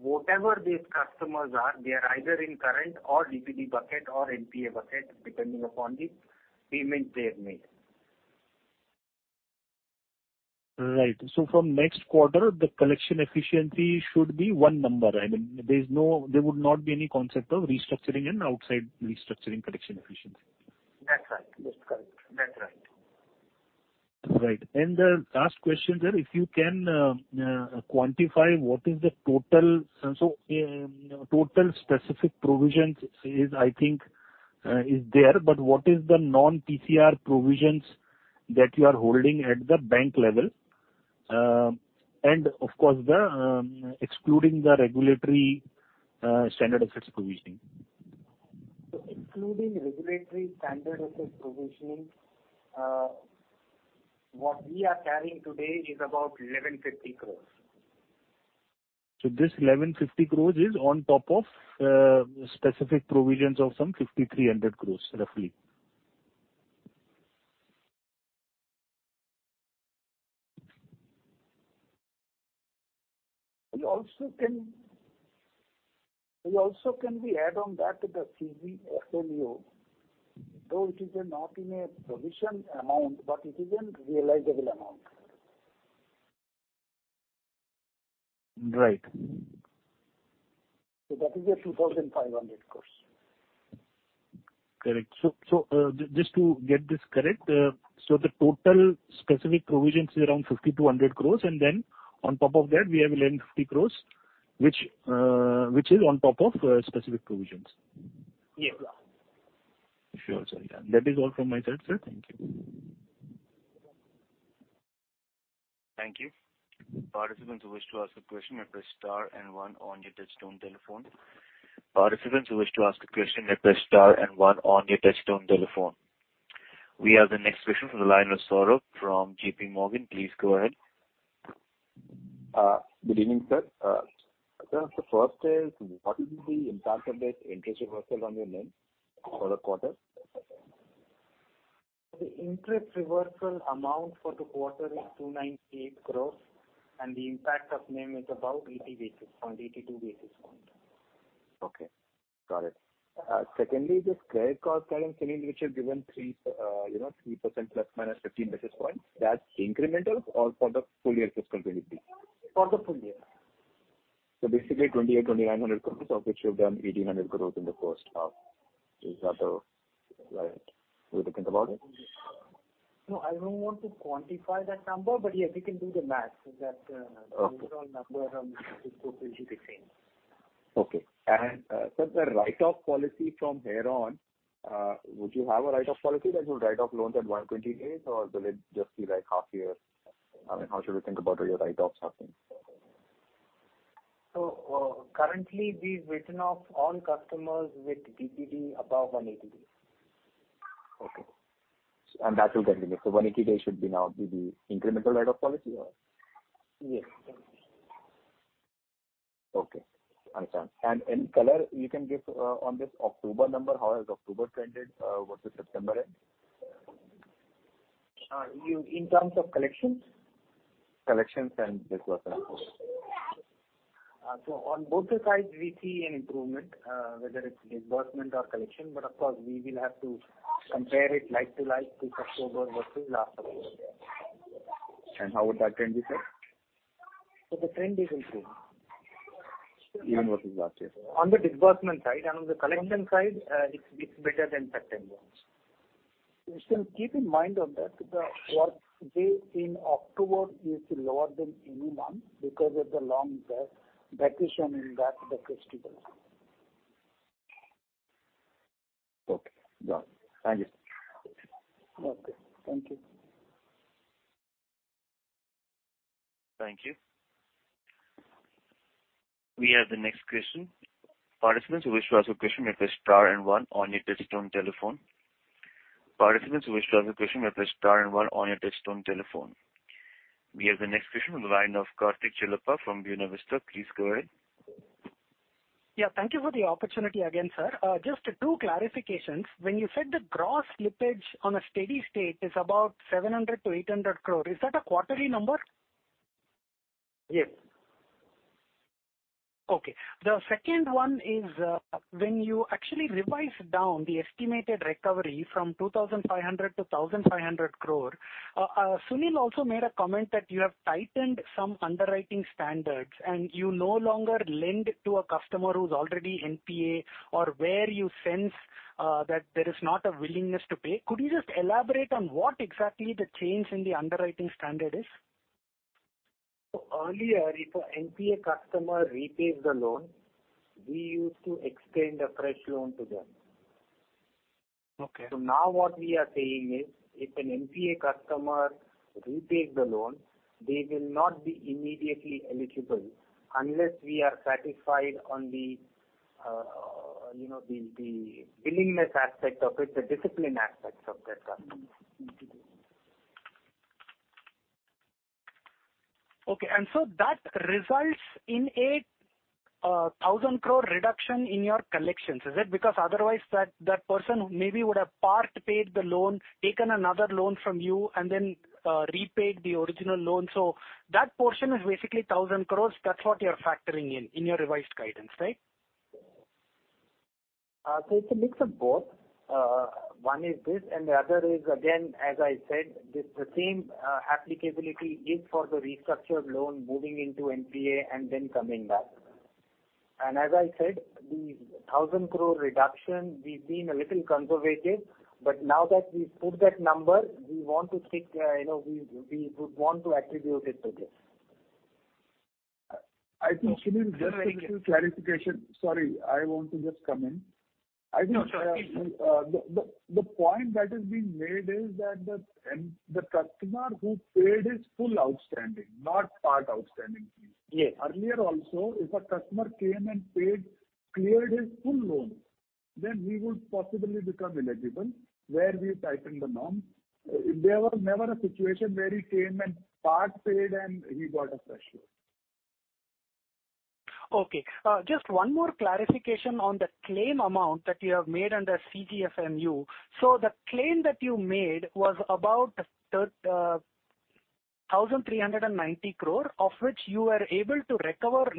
Whatever these customers are, they are either in current or DPD bucket or NPA bucket, depending upon the payment they have made. Right. From next quarter, the collection efficiency should be one number. I mean, there would not be any concept of restructuring and outside restructuring collection efficiency. That's right. That's correct. That's right. Right. The last question, sir. If you can quantify what is the total specific provisions is, I think, there, but what is the non-PCR provisions that you are holding at the bank level? And of course, excluding the regulatory standard assets provisioning. Excluding regulatory standard assets provisioning, what we are carrying today is about 1,150 crore. This 1,150 crores is on top of specific provisions of some 5,300 crores, roughly. We also can add on that the CGFMU, though it is not in a provision amount, but it is in realizable amount. Right. So that is a 2,500 crores. Correct. Just to get this correct, the total specific provisions is around 5,200 crores, and then on top of that we have 1,150 crores, which is on top of specific provisions. Yes. Sure, sir. That is all from my side, sir. Thank you. Thank you. Participants who wish to ask a question may press star and one on your touchtone telephone. We have the next question from the line of Saurabh from JPMorgan. Please go ahead. Good evening, sir. Sir, the first is, what will be the impact of this interest reversal on your NIM for the quarter? The interest reversal amount for the quarter is 298 crores and the impact of NIM is about 80 basis points, 82 basis points. Okay, got it. Secondly, this credit card outstanding which you have given 3% ±15 basis points, that's incremental or for the full year fiscal 2023? For the full year. Basically 2,800-2,900 crores of which you have done 1,800 crores in the first half. Is that the right way to think about it? No, I don't want to quantify that number. Yeah, we can do the math so that, Okay. The overall number is totally the same. Okay. Sir, the write-off policy from here on, would you have a write-off policy that you write off loans at 180 days or will it just be like half year? I mean, how should we think about your write-off happening? Currently we've written off all customers with DPD above 180 days. Okay. That will continue. 180 days should be now the incremental write-off policy or? Yes. Okay. Understand. Any color you can give on this October number? How has October trended versus September end? In terms of collections? Collections and disbursements. On both the sides we see an improvement, whether it's disbursement or collection. Of course, we will have to compare it like to like with October versus last October. How would that trend be, sir? The trend is improving. Even with this last year. On the disbursement side and on the collection side, it's better than September. You should keep in mind that the workday in October is lower than any month because of the long vacation in that the festival. Okay, got it. Thank you, sir. Okay, thank you. Thank you. We have the next question. Participants who wish to ask a question may press star and one on your touchtone telephone. We have the next question on the line of Karthik Chellappa from Buena Vista. Please go ahead. Yeah. Thank you for the opportunity again, sir. Just two clarifications. When you said the gross slippage on a steady state is about 700 crore-800 crore, is that a quarterly number? Yes. Okay. The second one is, when you actually revise down the estimated recovery from 2,500-1,500 crore, Sunil also made a comment that you have tightened some underwriting standards and you no longer lend to a customer who's already NPA or where you sense that there is not a willingness to pay. Could you just elaborate on what exactly the change in the underwriting standard is? Earlier, if a NPA customer repays the loan, we used to extend a fresh loan to them. Okay. Now what we are saying is, if an NPA customer repays the loan, they will not be immediately eligible unless we are satisfied on the, you know, the willingness aspect of it, the discipline aspects of that customer. Okay. That results in a 1,000 crore reduction in your collections. Is it because otherwise that person maybe would have part paid the loan, taken another loan from you and then repaid the original loan. That portion is basically 1,000 crores. That's what you're factoring in your revised guidance, right? So it's a mix of both. One is this and the other is again, as I said, the same applicability is for the restructured loan moving into NPA and then coming back. As I said, the 1,000 crore reduction, we've been a little conservative, but now that we've put that number, we want to stick, you know, we would want to attribute it to this. I think, Sunil, just a little clarification. Sorry, I want to just come in. No, sure. Please. I think the point that is being made is that the customer who paid his full outstanding, not part outstanding fees. Yes. Earlier also, if a customer came and paid, cleared his full loan, then he would possibly become eligible where we tightened the norm. There were never a situation where he came and part paid and he got a fresh loan. Okay. Just one more clarification on the claim amount that you have made under CGFMU. The claim that you made was about 1,390 crore, of which you were able to recover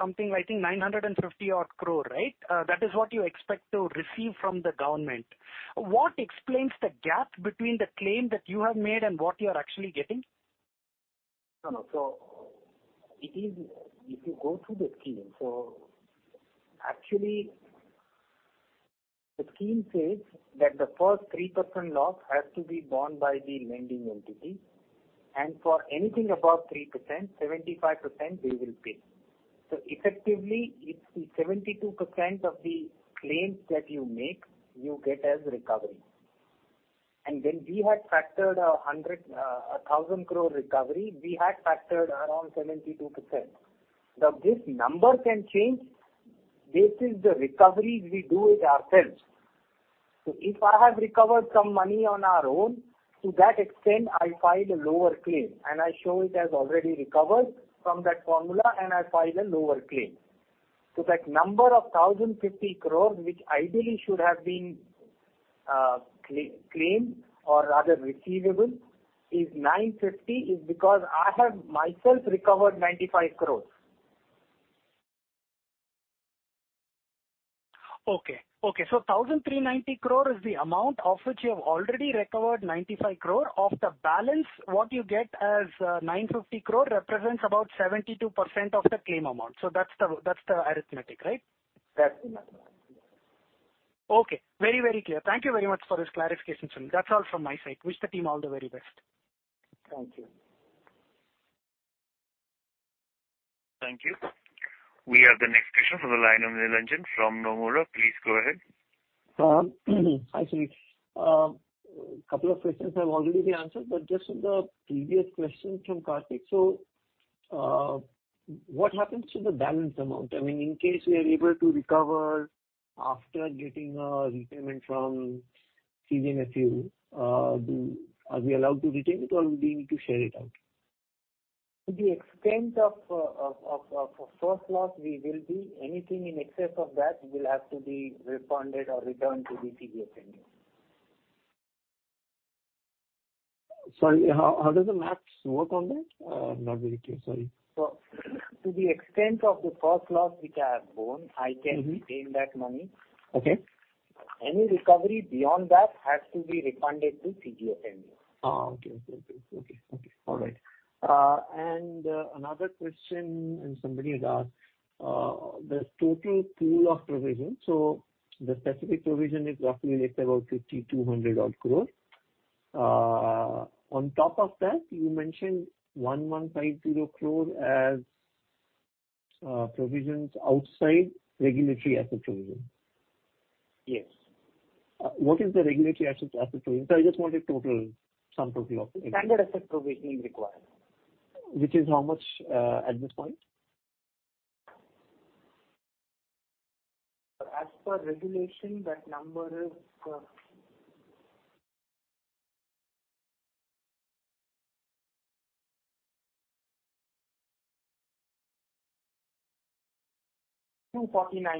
something I think 950 odd crore, right? That is what you expect to receive from the government. What explains the gap between the claim that you have made and what you are actually getting? No, no. It is if you go through the scheme. Actually the scheme says that the first 3% loss has to be borne by the lending entity and for anything above 3%, 75% they will pay. Effectively, it's the 72% of the claims that you make, you get as recovery. When we had factored 1,000 crore recovery, we had factored around 72%. Now, this number can change based on the recoveries we do it ourselves. If I have recovered some money on our own, to that extent, I file a lower claim and I show it as already recovered from that formula, and I file a lower claim. That number of 1,050 crores, which ideally should have been claimed or rather receivable is 950, is because I have myself recovered 95 crores. Okay. 1,390 crore is the amount of which you have already recovered 95 crore. Of the balance, what you get as 950 crore represents about 72% of the claim amount. That's the arithmetic, right? That's the mathematics, yes. Okay. Very, very clear. Thank you very much for this clarification, Sunil. That's all from my side. Wish the team all the very best. Thank you. Thank you. We have the next question from the line of Neelanjan from Nomura. Please go ahead. Hi, Sunil. A couple of questions have already been answered, but just on the previous question from Karthik. What happens to the balance amount? I mean, in case we are able to recover after getting a repayment from CGFMU, are we allowed to retain it or do we need to share it out? To the extent of first loss, we will be. Anything in excess of that will have to be refunded or returned to the CGFMU. Sorry, how does the math work on that? Not very clear. Sorry. To the extent of the first loss which I have borne, I can retain that money. Okay. Any recovery beyond that has to be refunded to CGFMU. Another question, and somebody had asked the total pool of provisions. The specific provision is roughly, let's say, about 5,200 odd crore. On top of that, you mentioned 1,150 crore as provisions outside regulatory asset provision. Yes. What is the regulatory asset provision? I just want a sum total of it. Standard asset provision is required. Which is how much, at this point? As per regulation, that number is 249 crores. INR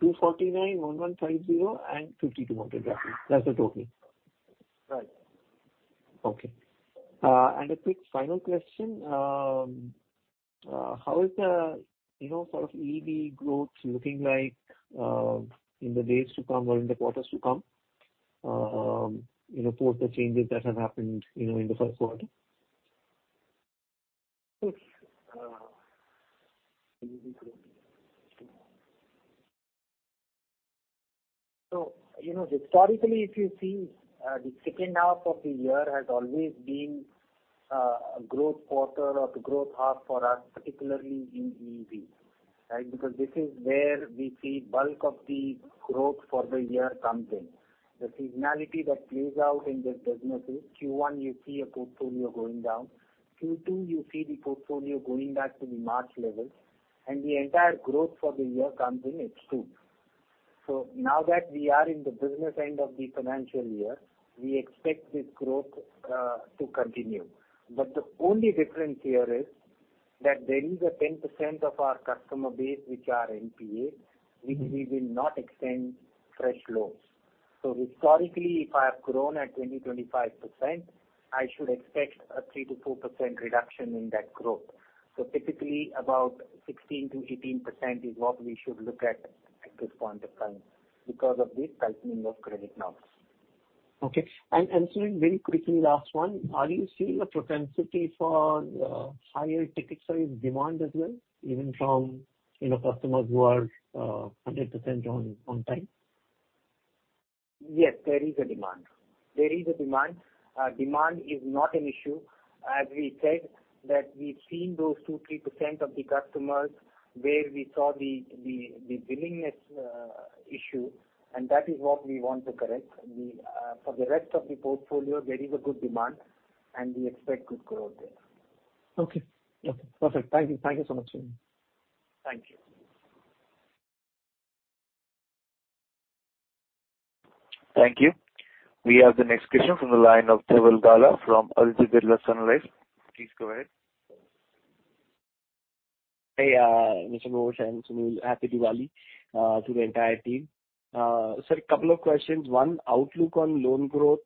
249, 1,150 and 52 million roughly. That's the total. Right. Okay. A quick final question. How is the, you know, sort of EEB growth looking like in the days to come or in the quarters to come, you know, post the changes that have happened, you know, in the first quarter? You know, historically if you see, the second half of the year has always been, a growth quarter or the growth half for us, particularly in EEB, right? Because this is where we see bulk of the growth for the year comes in. The seasonality that plays out in this business is Q1 you see a portfolio going down, Q2 you see the portfolio going back to the March levels and the entire growth for the year comes in H2. Now that we are in the business end of the financial year, we expect this growth, to continue. But the only difference here is that there is a 10% of our customer base which are NPA which we will not extend fresh loans. Historically if I have grown at 20-25%, I should expect a 3-4% reduction in that growth. Typically about 16%-18% is what we should look at this point of time because of the tightening of credit norms. Okay. Sunil, very quickly, last one. Are you seeing a propensity for higher ticket size demand as well, even from, you know, customers who are 100% on time? Yes, there is a demand. Demand is not an issue. As we said that we've seen those 2%-3% of the customers where we saw the willingness issue and that is what we want to correct. We, for the rest of the portfolio there is a good demand and we expect good growth there. Okay. Perfect. Thank you. Thank you so much, Sunil. Thank you. Thank you. We have the next question from the line of Dhaval Gada from Edelweiss Sunrise. Please go ahead. Hey, Mr. Mohit and Sunil. Happy Diwali to the entire team. Sir, couple of questions. One, outlook on loan growth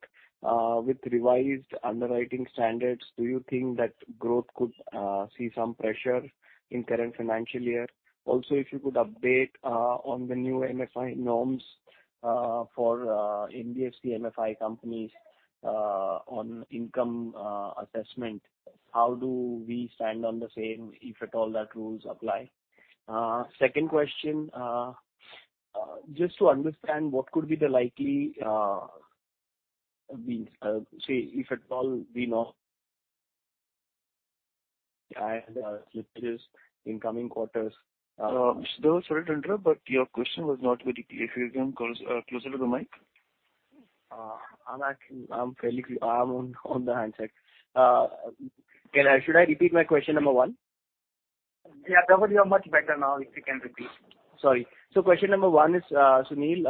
with revised underwriting standards, do you think that growth could see some pressure in current financial year? Also, if you could update on the new MFI norms for NBFC-MFI companies on income assessment. How do we stand on the same if at all those rules apply? Second question, just to understand what could be the likely, the say if at all we know and with this in coming quarters. Dhaval, sorry to interrupt, but your question was not very clear. If you can come closer to the mic. I'm actually, I'm fairly clear. I'm on the handset. Can I, should I repeat my question number one? Yeah. Dhaval, you are much better now. If you can repeat. Sorry. Question number one is, Sunil,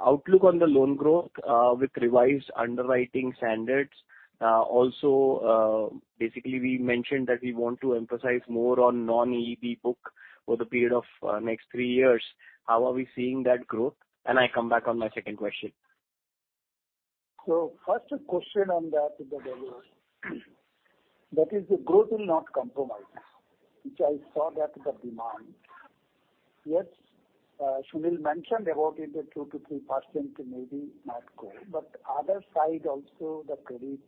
outlook on the loan growth with revised underwriting standards. Also, basically we mentioned that we want to emphasize more on non-EEB book over the period of next three years. How are we seeing that growth? I come back on my second question. First question on that, Dhaval, that is the growth will not compromise, which I saw that the demand. Yes, Sunil mentioned about it that 2%-3% maybe not grow, but other side also the credit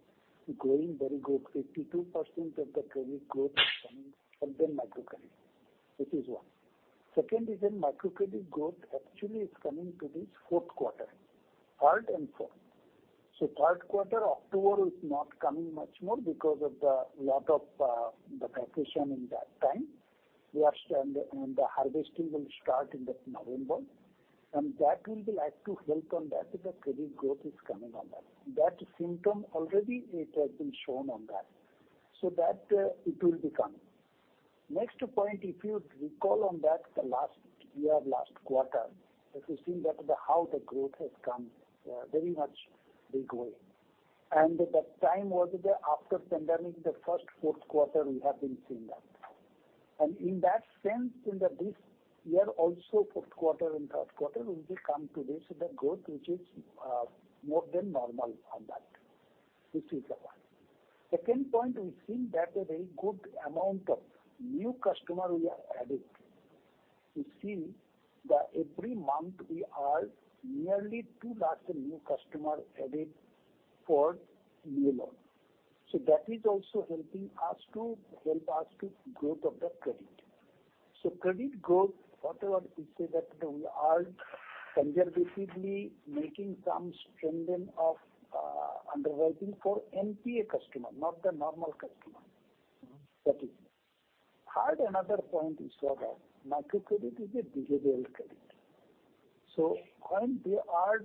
growing very good. 52% of the credit growth is coming from the microcredit. This is one. Second is in microcredit growth actually is coming to this fourth quarter, third and fourth. Third quarter, October is not coming much more because of the lot of, the percussion in that time. And the harvesting will start in the November and that will be like to help on that. The credit growth is coming on that. That symptom already it has been shown on that. That, it will be coming. Next point, if you recall, on that the last year, last quarter, if you seen that the how the growth has come, very much big way. The time was the after pandemic, the first fourth quarter we have been seeing that. In that sense, in this year also, fourth quarter and third quarter will be come to this, the growth which is, more than normal on that. This is the one. Second point, we've seen that a very good amount of new customer we are adding. We see that every month we are nearly two lakh new customer added for new loan. So that is also helping us to growth of the credit. So credit growth, whatever we say that we are conservatively making some strengthening of, underwriting for NPA customer, not the normal customer. Mm-hmm. That is. Third another point we saw that micro credit is a behavioral credit. When they are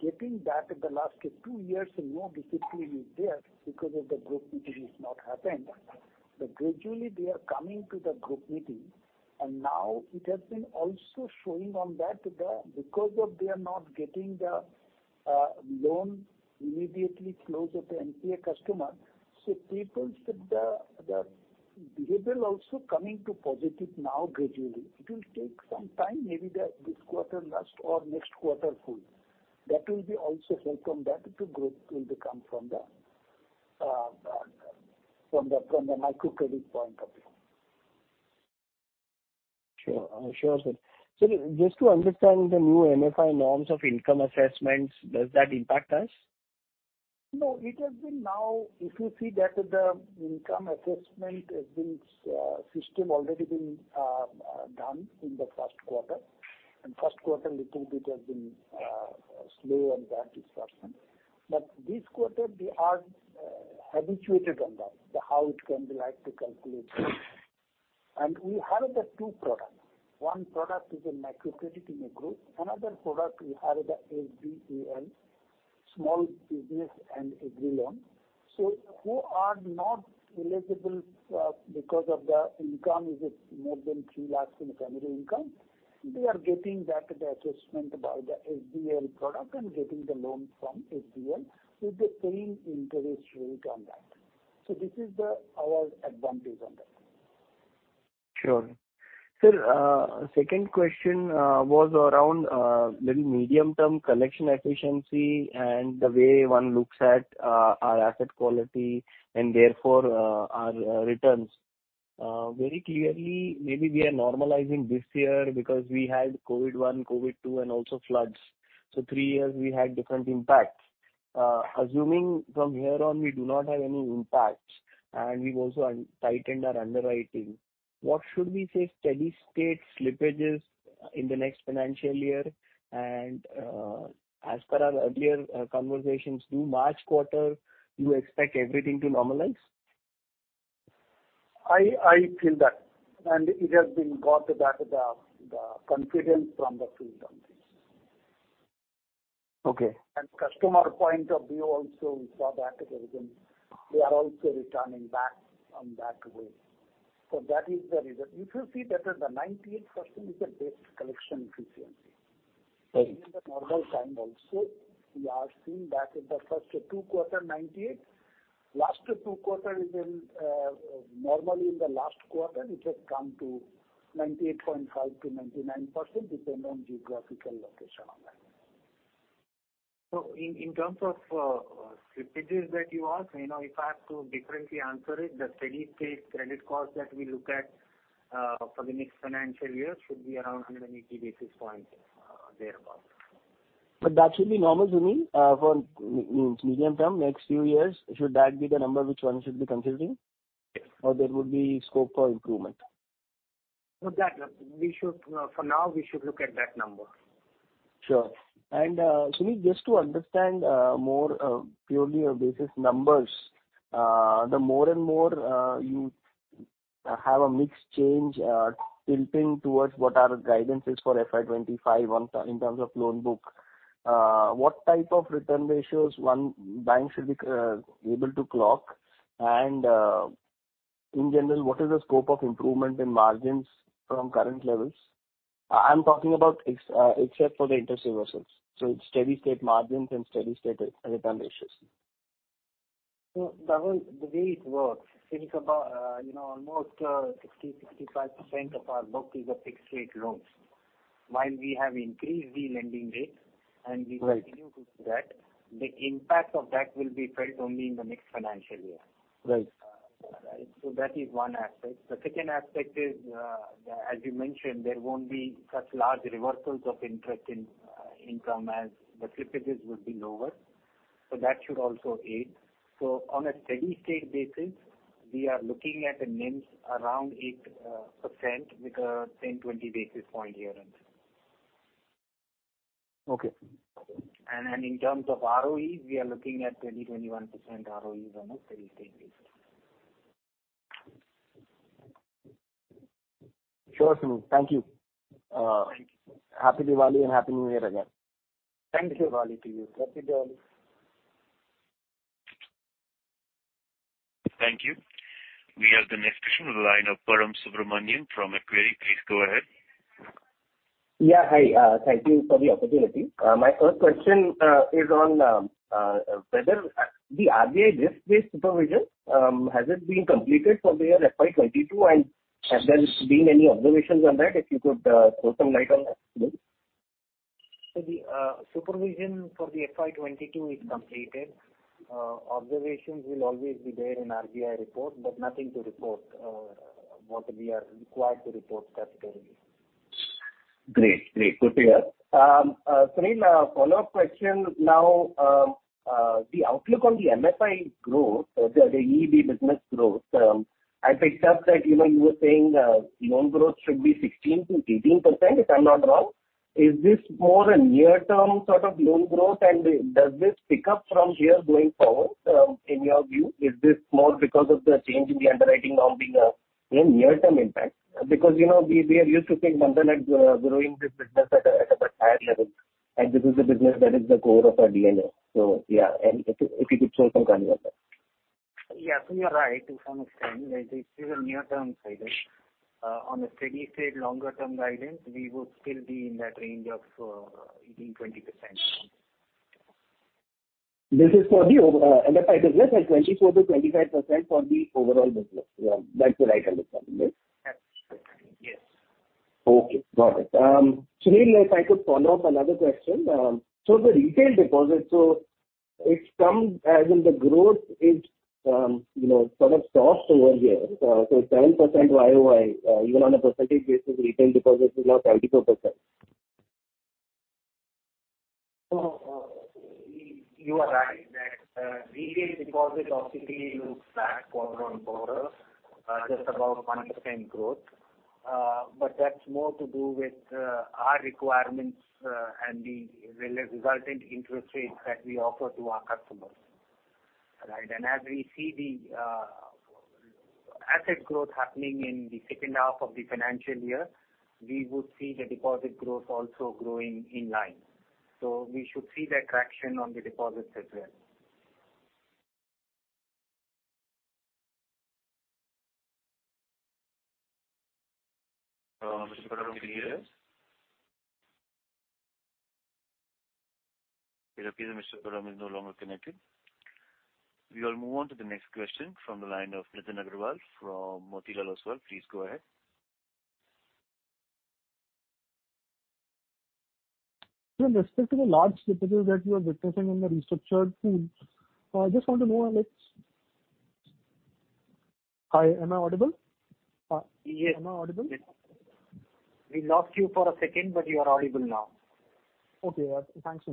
getting back in the last two years, no discipline is there because of the group meeting is not happened. Gradually they are coming to the group meeting and now it has been also showing on that the because of they are not getting the loan immediately close with the NPA customer, so people's the behavior also coming to positive now gradually. It will take some time, maybe this quarter last or next quarter full. That will be also help from that to growth will become from the micro credit point of view. Sure. I'm sure, sir. Sir, just to understand the new MFI norms of income assessments, does that impact us? No, it has been now, if you see that the income assessment has been systematically done in the first quarter. In first quarter, little bit has been slow on that assessment. This quarter we are habituated on that, how it can be like to calculate. We have the two products. One product is a micro credit in a group. Another product we have the Bandhan small business and agri loan. Who are not eligible for because of the income is more than 3 lakh in family income, they are getting that the assessment by the Bandhan product and getting the loan from Bandhan with the paying interest rate on that. This is our advantage on that. Sure. Sir, second question was around maybe medium-term collection efficiency and the way one looks at our asset quality and therefore our returns. Very clearly, maybe we are normalizing this year because we had COVID one, COVID two and also floods. Three years we had different impacts. Assuming from here on, we do not have any impacts and we've also untightened our underwriting, what should we say steady-state slippages in the next financial year and, as per our earlier conversations through March quarter, you expect everything to normalize? I feel that it has got back the confidence from the field on this. Okay. Customer point of view also we saw that everything, they are also returning back on that way. That is the reason. If you see that the 98% is the best collection efficiency. Right. Even the normal time also, we are seeing that in the first two quarters, 98. Last two quarters is in, normally in the last quarter it has come to 98.5%-99% depending on geographical location on that. In terms of slippages that you asked, you know, if I have to differently answer it, the steady-state credit cost that we look at for the next financial year should be around 180 basis points, thereabout. That should be normal, Sunil? For medium term, next few years, should that be the number which one should be considering? Yes. There would be scope for improvement? For that, we should, for now, we should look at that number. Sure. Sunil, just to understand more purely on basis numbers, the more and more you have a mix change tilting towards what our guidance is for FY 25 in terms of loan book, what type of return ratios one bank should be able to clock? In general, what is the scope of improvement in margins from current levels? I'm talking about except for the interest reversals. Steady-state margins and steady-state return ratios. Dhaval, the way it works is about almost 65% of our book is the fixed-rate loans. While we have increased the lending rate and we- Right. Continue to do that, the impact of that will be felt only in the next financial year. Right. That is one aspect. The second aspect is, as you mentioned, there won't be such large reversals of interest in income as the slippages will be lower. That should also aid. On a steady-state basis, we are looking at NIMs around 8% with a 10-20 basis point here and there. Okay. In terms of ROEs, we are looking at 20-21% ROEs on a steady-state basis. Sure, Sunil. Thank you. Thank you. Happy Diwali and Happy New Year again. Thank you. Happy Diwali to you. Happy Diwali. Thank you. We have the next question in the line of Param Subramanian from Equity. Please go ahead. Yeah. Hi, thank you for the opportunity. My first question is on whether the RBI risk-based supervision has it been completed for the year FY 2022 and have there been any observations on that? If you could throw some light on that, please. The supervision for the FY 2022 is completed. Observations will always be there in RBI report, but nothing to report what we are required to report categorically. Great. Good to hear. Sunil, a follow-up question now. The outlook on the MFI growth, the EEB business growth, I picked up that, you know, you were saying, loan growth should be 16%-18%, if I'm not wrong. Is this more a near-term sort of loan growth and does this pick up from here going forward, in your view? Is this more because of the change in the underwriting now being a more near-term impact? Because, you know, we are used to seeing Bandhan growing this business at a higher level, and this is the business that is the core of our DNA. Yeah, if you could throw some light on that. Yeah. You're right to some extent that this is a near-term guidance. On a steady-state longer-term guidance, we would still be in that range of 18%-20%. This is for the MFI business and 24%-25% for the overall business. Yeah. That's what I understand, right? Absolutely. Yes. Okay. Got it. Sunil, if I could follow up another question. The retail deposits, so it's come as in the growth is, you know, sort of stopped over here. 10% YOY, even on a percentage basis, retail deposits is now 22%. You are right that retail deposits obviously looks flat quarter-on-quarter, just about 1% growth. But that's more to do with our requirements and the resultant interest rates that we offer to our customers. Right. As we see the asset growth happening in the second half of the financial year, we would see the deposit growth also growing in line. We should see that traction on the deposits as well. Mr. Param Subramanian, can you hear us? It appears that Mr. Param Subramanian is no longer connected. We will move on to the next question from the line of Nitin Aggarwal from Motilal Oswal. Please go ahead. Sir, with respect to the large slippages that you are witnessing in the restructured pool, I just want to know, like. Hi, am I audible? Yes. Am I audible? We lost you for a second, but you are audible now. Okay. Thanks,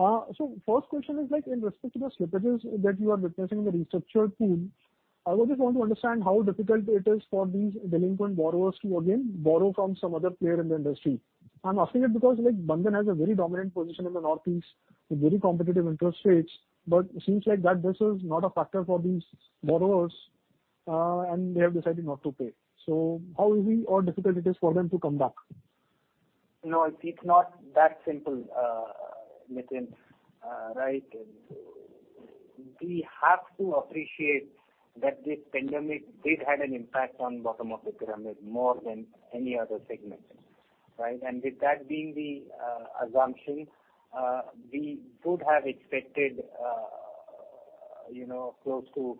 Sunil. First question is like in respect to the slippages that you are witnessing in the restructured pool, I would just want to understand how difficult it is for these delinquent borrowers to again borrow from some other player in the industry. I'm asking it because, like, Bandhan has a very dominant position in the North East with very competitive interest rates, but it seems like that this is not a factor for these borrowers, and they have decided not to pay. How easy or difficult it is for them to come back? No, it's not that simple, Nitin, right? We have to appreciate that this pandemic did have an impact on bottom of the pyramid more than any other segment, right? With that being the assumption, we would have expected, you know, close to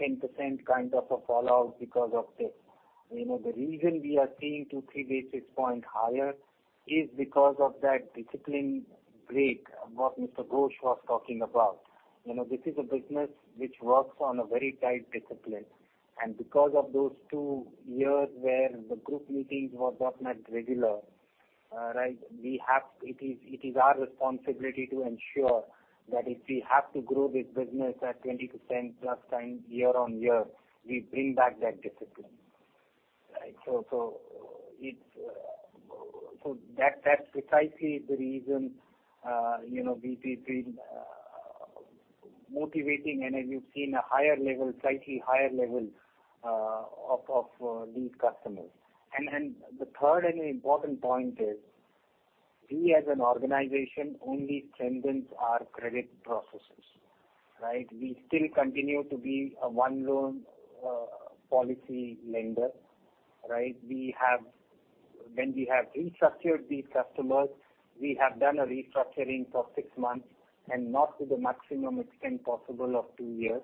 10% kind of a fallout because of this. You know, the reason we are seeing two to three basis points higher is because of that discipline break, what Mr. Ghosh was talking about. You know, this is a business which works on a very tight discipline. Because of those two years where the group meetings were not held regularly, right, it is our responsibility to ensure that if we have to grow this business at 20%+ year-on-year, we bring back that discipline. Right. That's precisely the reason, you know, we've been motivating and as you've seen a slightly higher level of these customers. The third and important point is we as an organization only strengthen our credit processes, right? We still continue to be a one loan policy lender, right? When we have restructured these customers, we have done a restructuring for six months and not to the maximum extent possible of two years.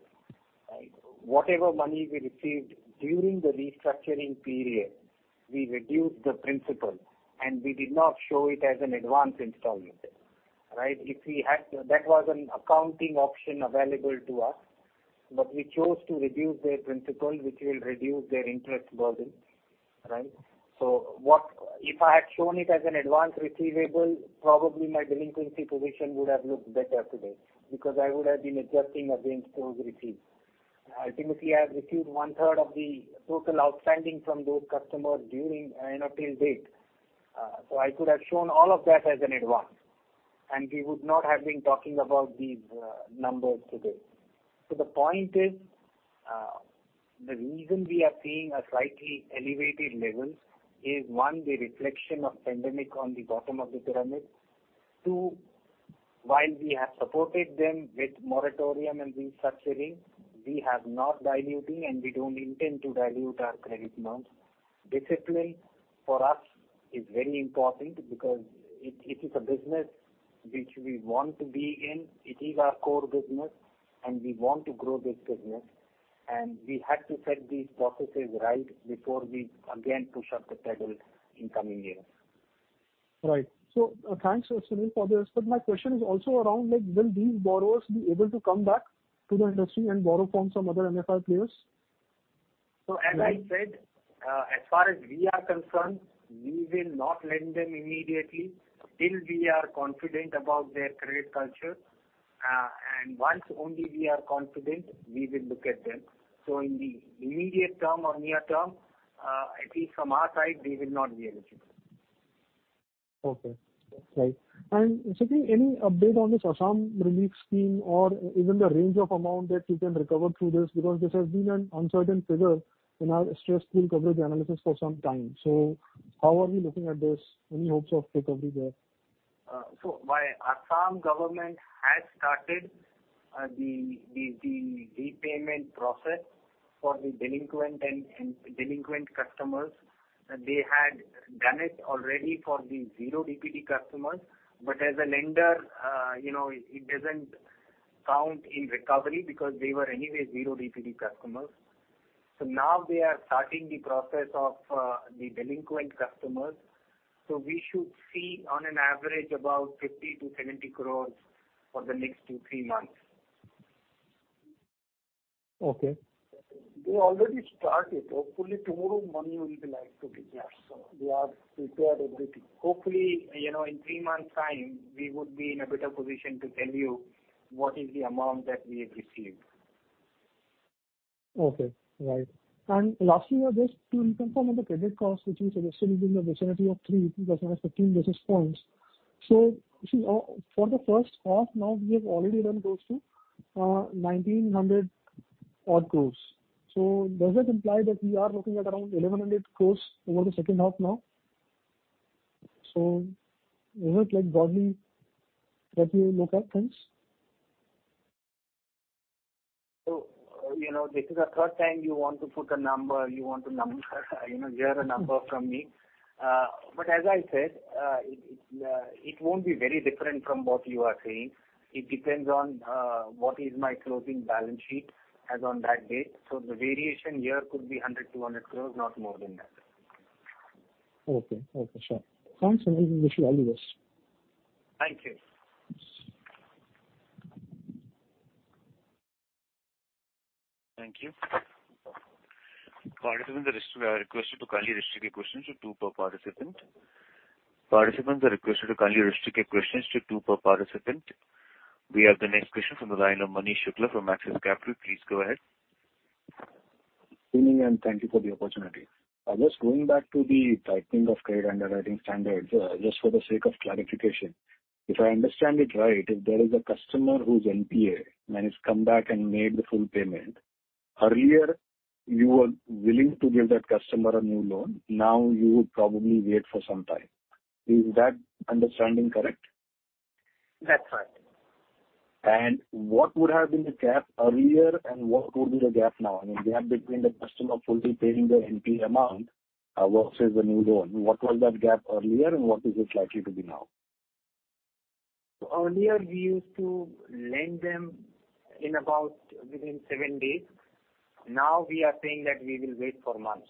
Right. Whatever money we received during the restructuring period, we reduced the principal, and we did not show it as an advance installment. Right? If we had to, that was an accounting option available to us, but we chose to reduce their principal, which will reduce their interest burden. Right? If I had shown it as an advance receivable, probably my delinquency position would have looked better today because I would have been adjusting against those receipts. I think if we have received one-third of the total outstanding from those customers during and until date, so I could have shown all of that as an advance and we would not have been talking about these numbers today. The point is, the reason we are seeing a slightly elevated level is, one, the reflection of pandemic on the bottom of the pyramid. Two. While we have supported them with moratorium and restructuring, we have not diluting and we don't intend to dilute our credit norms. Discipline for us is very important because it is a business which we want to be in. It is our core business and we want to grow this business, and we had to set these processes right before we again push up the pedal in coming years. Right. Thanks, Sunil, for this. My question is also around like will these borrowers be able to come back to the industry and borrow from some other MFI players? As I said, as far as we are concerned, we will not lend them immediately till we are confident about their credit culture. Once only we are confident, we will look at them. In the immediate term or near term, at least from our side, they will not be eligible. Okay. Right. Sunil, any update on this Assam relief scheme or even the range of amount that you can recover through this? Because this has been an uncertain figure in our stressful coverage analysis for some time. How are we looking at this? Any hopes of recovery there? The Assam government has started the repayment process for the delinquent customers. They had done it already for the zero DPD customers. As a lender, you know, it doesn't count in recovery because they were anyway zero DPD customers. Now they are starting the process of the delinquent customers. We should see on average about 50-70 crore for the next two, three months. Okay. They already started. Hopefully tomorrow morning will be likely to be just so. They are prepared everything. Hopefully, you know, in three months' time we would be in a better position to tell you what is the amount that we have received. Okay. Right. Lastly, just to confirm on the credit cost, which you said was still in the vicinity of 3% or 15 basis points. Sunil, for the first half, now we have already lent those to 1,900-odd crores. Does that imply that we are looking at around 1,100 crores over the second half now? Is it like broadly that you look at things? You know, this is the third time you want to put a number. You want to, you know, hear a number from me. But as I said, it won't be very different from what you are saying. It depends on what is my closing balance sheet as on that date. The variation here could be 100 crore, 200 crore, not more than that. Okay. Okay, sure. Thanks, Sunil. We should all leave this. Thank you. Thank you. Participants are requested to kindly restrict questions to two per participant. We have the next question from the line of Manish Shukla from Axis Capital. Please go ahead. Good evening, and thank you for the opportunity. I was going back to the tightening of credit underwriting standards. Just for the sake of clarification, if I understand it right, if there is a customer who's NPA and has come back and made the full payment, earlier you were willing to give that customer a new loan. Now you would probably wait for some time. Is that understanding correct? That's right. What would have been the gap earlier and what would be the gap now? I mean, the gap between the customer fully paying their NPA amount, versus the new loan. What was that gap earlier, and what is it likely to be now? Earlier, we used to lend them within seven days. Now we are saying that we will wait for months.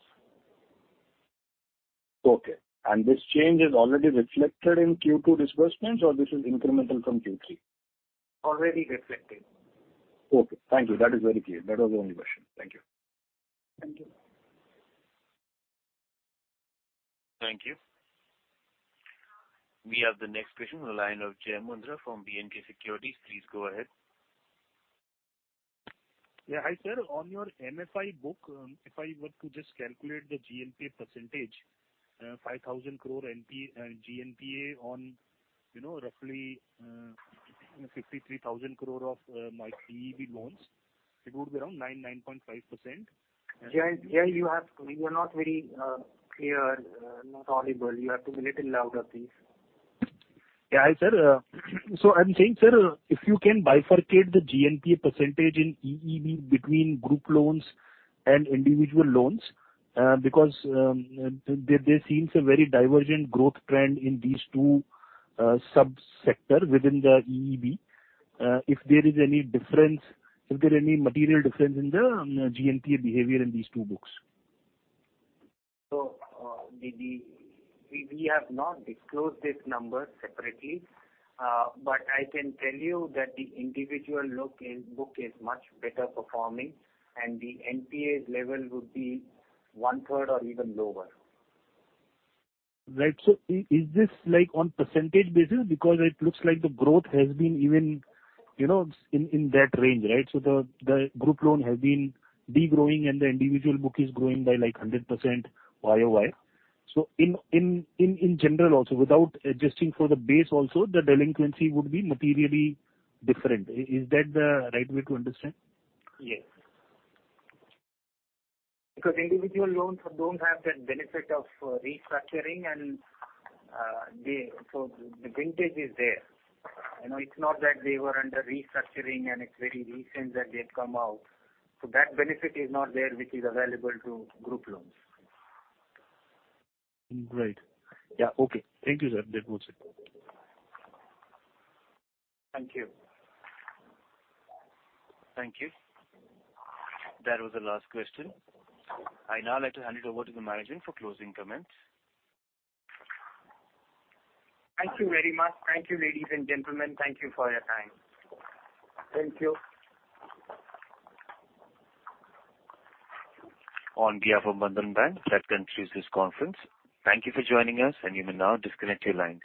Okay. This change is already reflected in Q2 disbursements or this is incremental from Q3? Already reflected. Okay. Thank you. That is very clear. That was the only question. Thank you. Thank you. Thank you. We have the next question on the line of Jai Mundhra from B&K Securities. Please go ahead. On your MFI book, if I were to just calculate the GNPA percentage, 5,000 crore GNPA on, you know, roughly, 53,000 crore of my EEB loans, it would be around 9-9.5%. Jai, you have to. You are not very clear, not audible. You have to be little louder, please. Yeah. Hi, sir. So I'm saying, sir, if you can bifurcate the GNPA percentage in EEB between group loans and individual loans, because there seems a very divergent growth trend in these two sub-sector within the EEB? If there is any difference, is there any material difference in the GNPA behavior in these two books? We have not disclosed this number separately. I can tell you that the individual book is much better performing and the NPA level would be one-third or even lower. Right. Is this like on percentage basis? Because it looks like the growth has been even, you know, in that range, right? The group loan has been degrowing and the individual book is growing by like 100% YOY. In general also, without adjusting for the base also, the delinquency would be materially different. Is that the right way to understand? Yes. Because individual loans don't have the benefit of restructuring and so the vintage is there. You know, it's not that they were under restructuring and it's very recent that they've come out. That benefit is not there, which is available to group loans. Great. Yeah. Okay. Thank you, sir. That was it. Thank you. Thank you. That was the last question. I'd now like to hand it over to the management for closing comments. Thank you very much. Thank you, ladies and gentlemen. Thank you for your time. Thank you. On behalf of Bandhan Bank, that concludes this conference. Thank you for joining us, and you may now disconnect your lines.